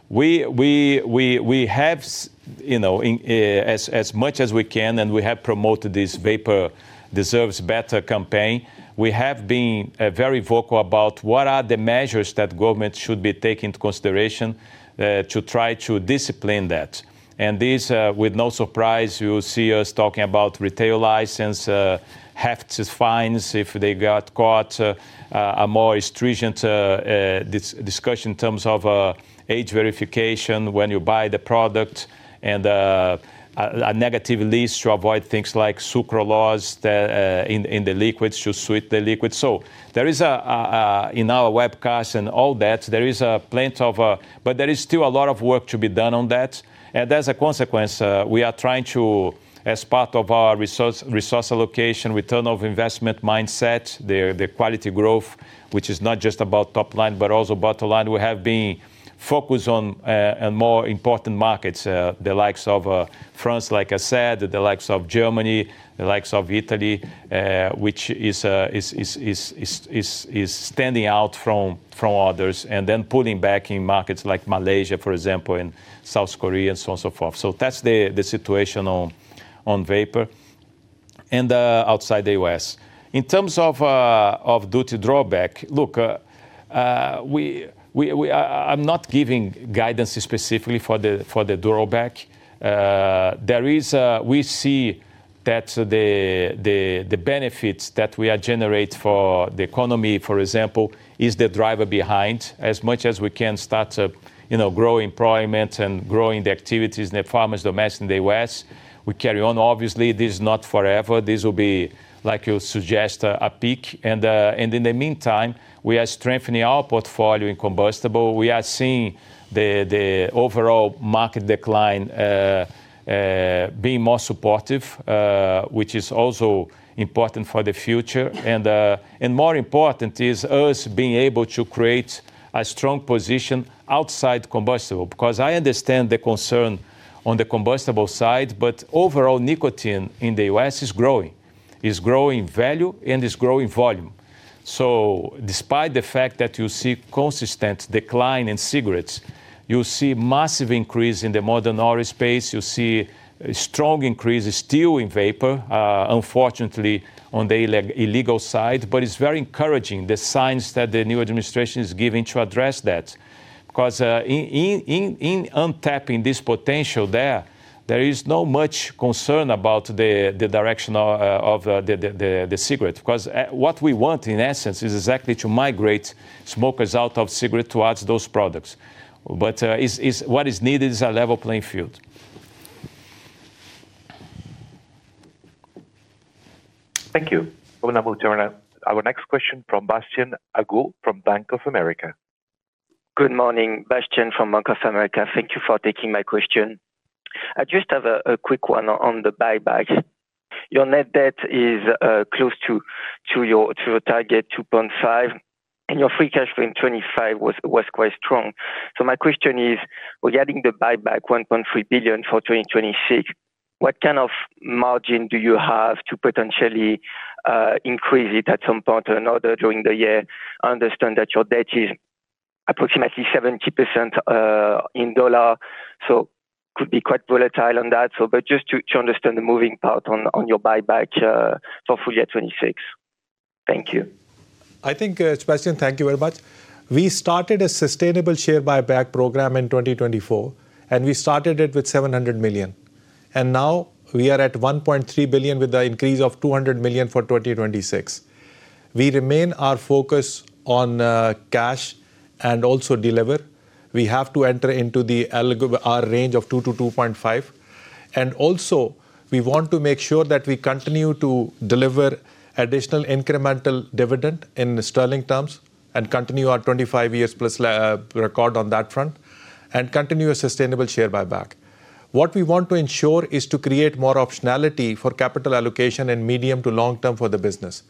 We have, you know, as much as we can, and we have promoted this Vapor Deserves Better campaign. We have been very vocal about what are the measures that government should be take into consideration to try to discipline that. And this with no surprise, you see us talking about retail license, hefty fines if they got caught, a more stringent discussion in terms of age verification when you buy the product, and a negative list to avoid things like sucralose that in the liquids, to sweet the liquid. So there is, in our webcast and all that, there is plenty of. But there is still a lot of work to be done on that. And as a consequence, we are trying to, as part of our resource allocation, return of investment mindset, the quality growth, which is not just about top line, but also bottom line, we have been focused on and more important markets, the likes of France, like I said, the likes of Germany, the likes of Italy, which is standing out from others, and then pulling back in markets like Malaysia, for example, and South Korea, so on, so forth. So that's the situation on vapor and outside the U.S.. In terms of duty drawback, look, I'm not giving guidance specifically for the drawback. There is we see that the benefits that we are generate for the economy, for example, is the driver behind, as much as we can start to, you know, grow employment and growing the activities in the farmers, domestic in the U.S., we carry on. Obviously, this is not forever. This will be, like you suggest, a peak. And in the meantime, we are strengthening our portfolio in combustibles. We are seeing the overall market decline being more supportive, which is also important for the future. And more important is us being able to create a strong position outside combustibles. Because I understand the concern on the combustibles side, but overall, nicotine in the U.S. is growing. Is growing in value and is growing in volume. So despite the fact that you see consistent decline in cigarettes, you see massive increase in the modern oral space, you see strong increases still in vapor, unfortunately, on the illegal side, but it's very encouraging, the signs that the new administration is giving to address that. Because in untapping this potential there, there is no much concern about the direction of the cigarette, 'cause what we want, in essence, is exactly to migrate smokers out of cigarette towards those products. But what is needed is a level playing field. Thank you. Our next question from Bastian Agaud from Bank of America. Good morning, Bastian from Bank of America. Thank you for taking my question. I just have a quick one on the buyback. Your net debt is close to your target, 2.5, and your free cash flow in 2025 was quite strong. So my question is, with adding the buyback 1.3 billion for 2026, what kind of margin do you have to potentially increase it at some point or another during the year? I understand that your debt is approximately 70% in dollars, so could be quite volatile on that. So but just to understand the moving part on your buyback for full year 2026. Thank you. I think, Bastian, thank you very much. We started a sustainable share buyback program in 2024, and we started it with 700 million, and now we are at 1.3 billion with an increase of 200 million for 2026. We remain our focus on, cash and also deliver. We have to enter into the eligible range of 2%-2.5%. And also, we want to make sure that we continue to deliver additional incremental dividend in the sterling terms and continue our 25 years+ record on that front, and continue a sustainable share buyback. What we want to ensure is to create more optionality for capital allocation and medium to long term for the business.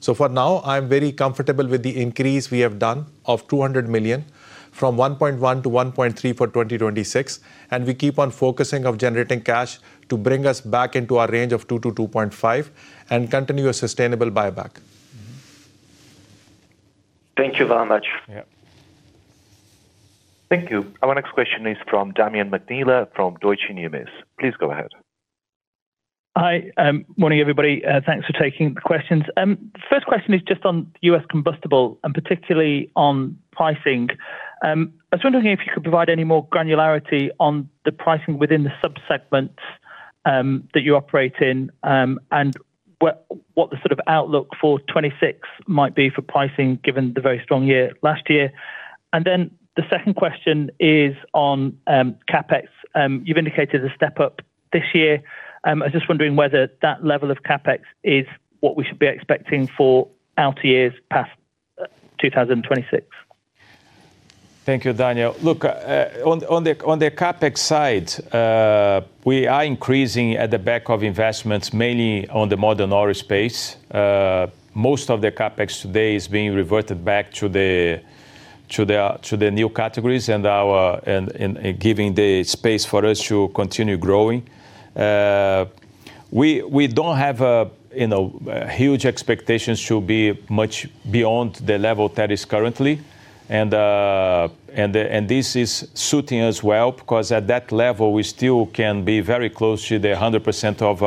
For now, I'm very comfortable with the increase we have done of 200 million, from 1.1 billion to 1.3 billion for 2026, and we keep on focusing on generating cash to bring us back into our range of 2%-2.5%, and continue a sustainable buyback. Thank you very much. Thank you. Our next question is from Damian McNeela from Deutsche Numis. Please go ahead. Hi. Morning, everybody. Thanks for taking the questions. The first question is just on U.S. combustible and particularly on pricing. I was wondering if you could provide any more granularity on the pricing within the sub-segments that you operate in, and what the sort of outlook for 2026 might be for pricing, given the very strong year last year? And then the second question is on CapEx. You've indicated a step up this year. I was just wondering whether that level of CapEx is what we should be expecting for out years past 2026. Thank you, Daniel. Look, on the CapEx side, we are increasing at the back of investments, mainly on the Modern Oral space. Most of the CapEx today is being reverted back to the new categories and our and giving the space for us to continue growing. We don't have, you know, huge expectations to be much beyond the level that is currently. This is suiting us well, because at that level, we still can be very close to the 100% of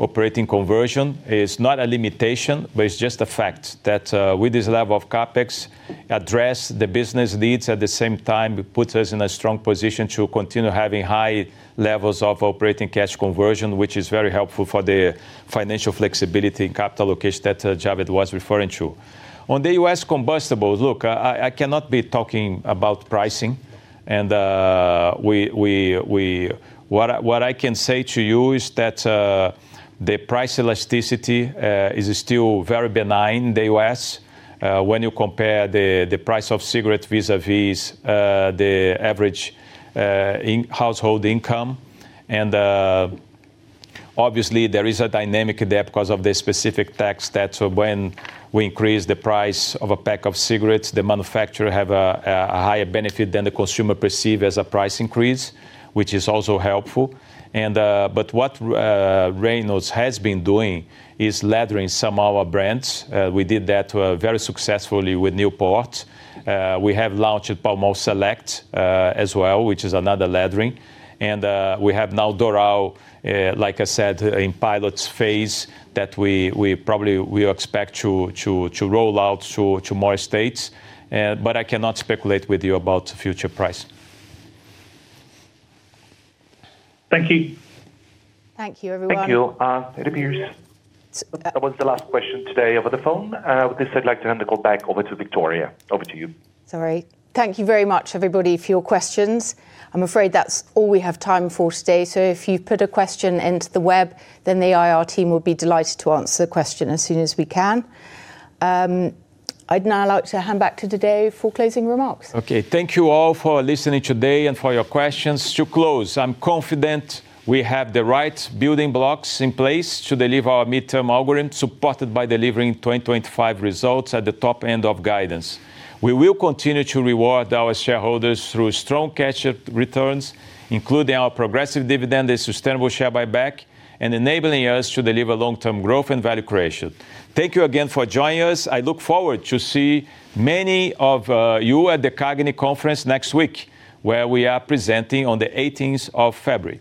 operating conversion. It's not a limitation, but it's just a fact that, with this level of CapEx, address the business needs, at the same time, it puts us in a strong position to continue having high levels of operating cash conversion, which is very helpful for the financial flexibility and capital location that, Javed was referring to. On the U.S. combustible, look, I cannot be talking about pricing, and, What I can say to you is that, the price elasticity is still very benign in the U.S., when you compare the price of cigarettes vis-a-vis the average in household income. Obviously, there is a dynamic there because of the specific tax, that so when we increase the price of a pack of cigarettes, the manufacturer have a, a higher benefit than the consumer perceive as a price increase, which is also helpful. And, but what Reynolds has been doing is laddering some our brands. We did that, very successfully with Newport. We have launched Pall Mall Select, as well, which is another laddering. And, we have now Doral, like I said, in pilot phase, that we, we probably, we expect to, to, to roll out to, to more states. But I cannot speculate with you about future price. Thank you. Thank you, everyone. Thank you. It appears that was the last question today over the phone. With this, I'd like to hand the call back over to Victoria. Over to you. Sorry. Thank you very much, everybody, for your questions. I'm afraid that's all we have time for today. So if you put a question into the web, then the IR team will be delighted to answer the question as soon as we can. I'd now like to hand back to Tadeu for closing remarks. Okay. Thank you all for listening today and for your questions. To close, I'm confident we have the right building blocks in place to deliver our Midterm Algorithm, supported by delivering 2025 results at the top end of guidance. We will continue to reward our shareholders through strong cash returns, including our progressive dividend, the sustainable share buyback, and enabling us to deliver long-term growth and value creation. Thank you again for joining us. I look forward to see many of you at the CAGNY conference next week, where we are presenting on the eighteenth of February.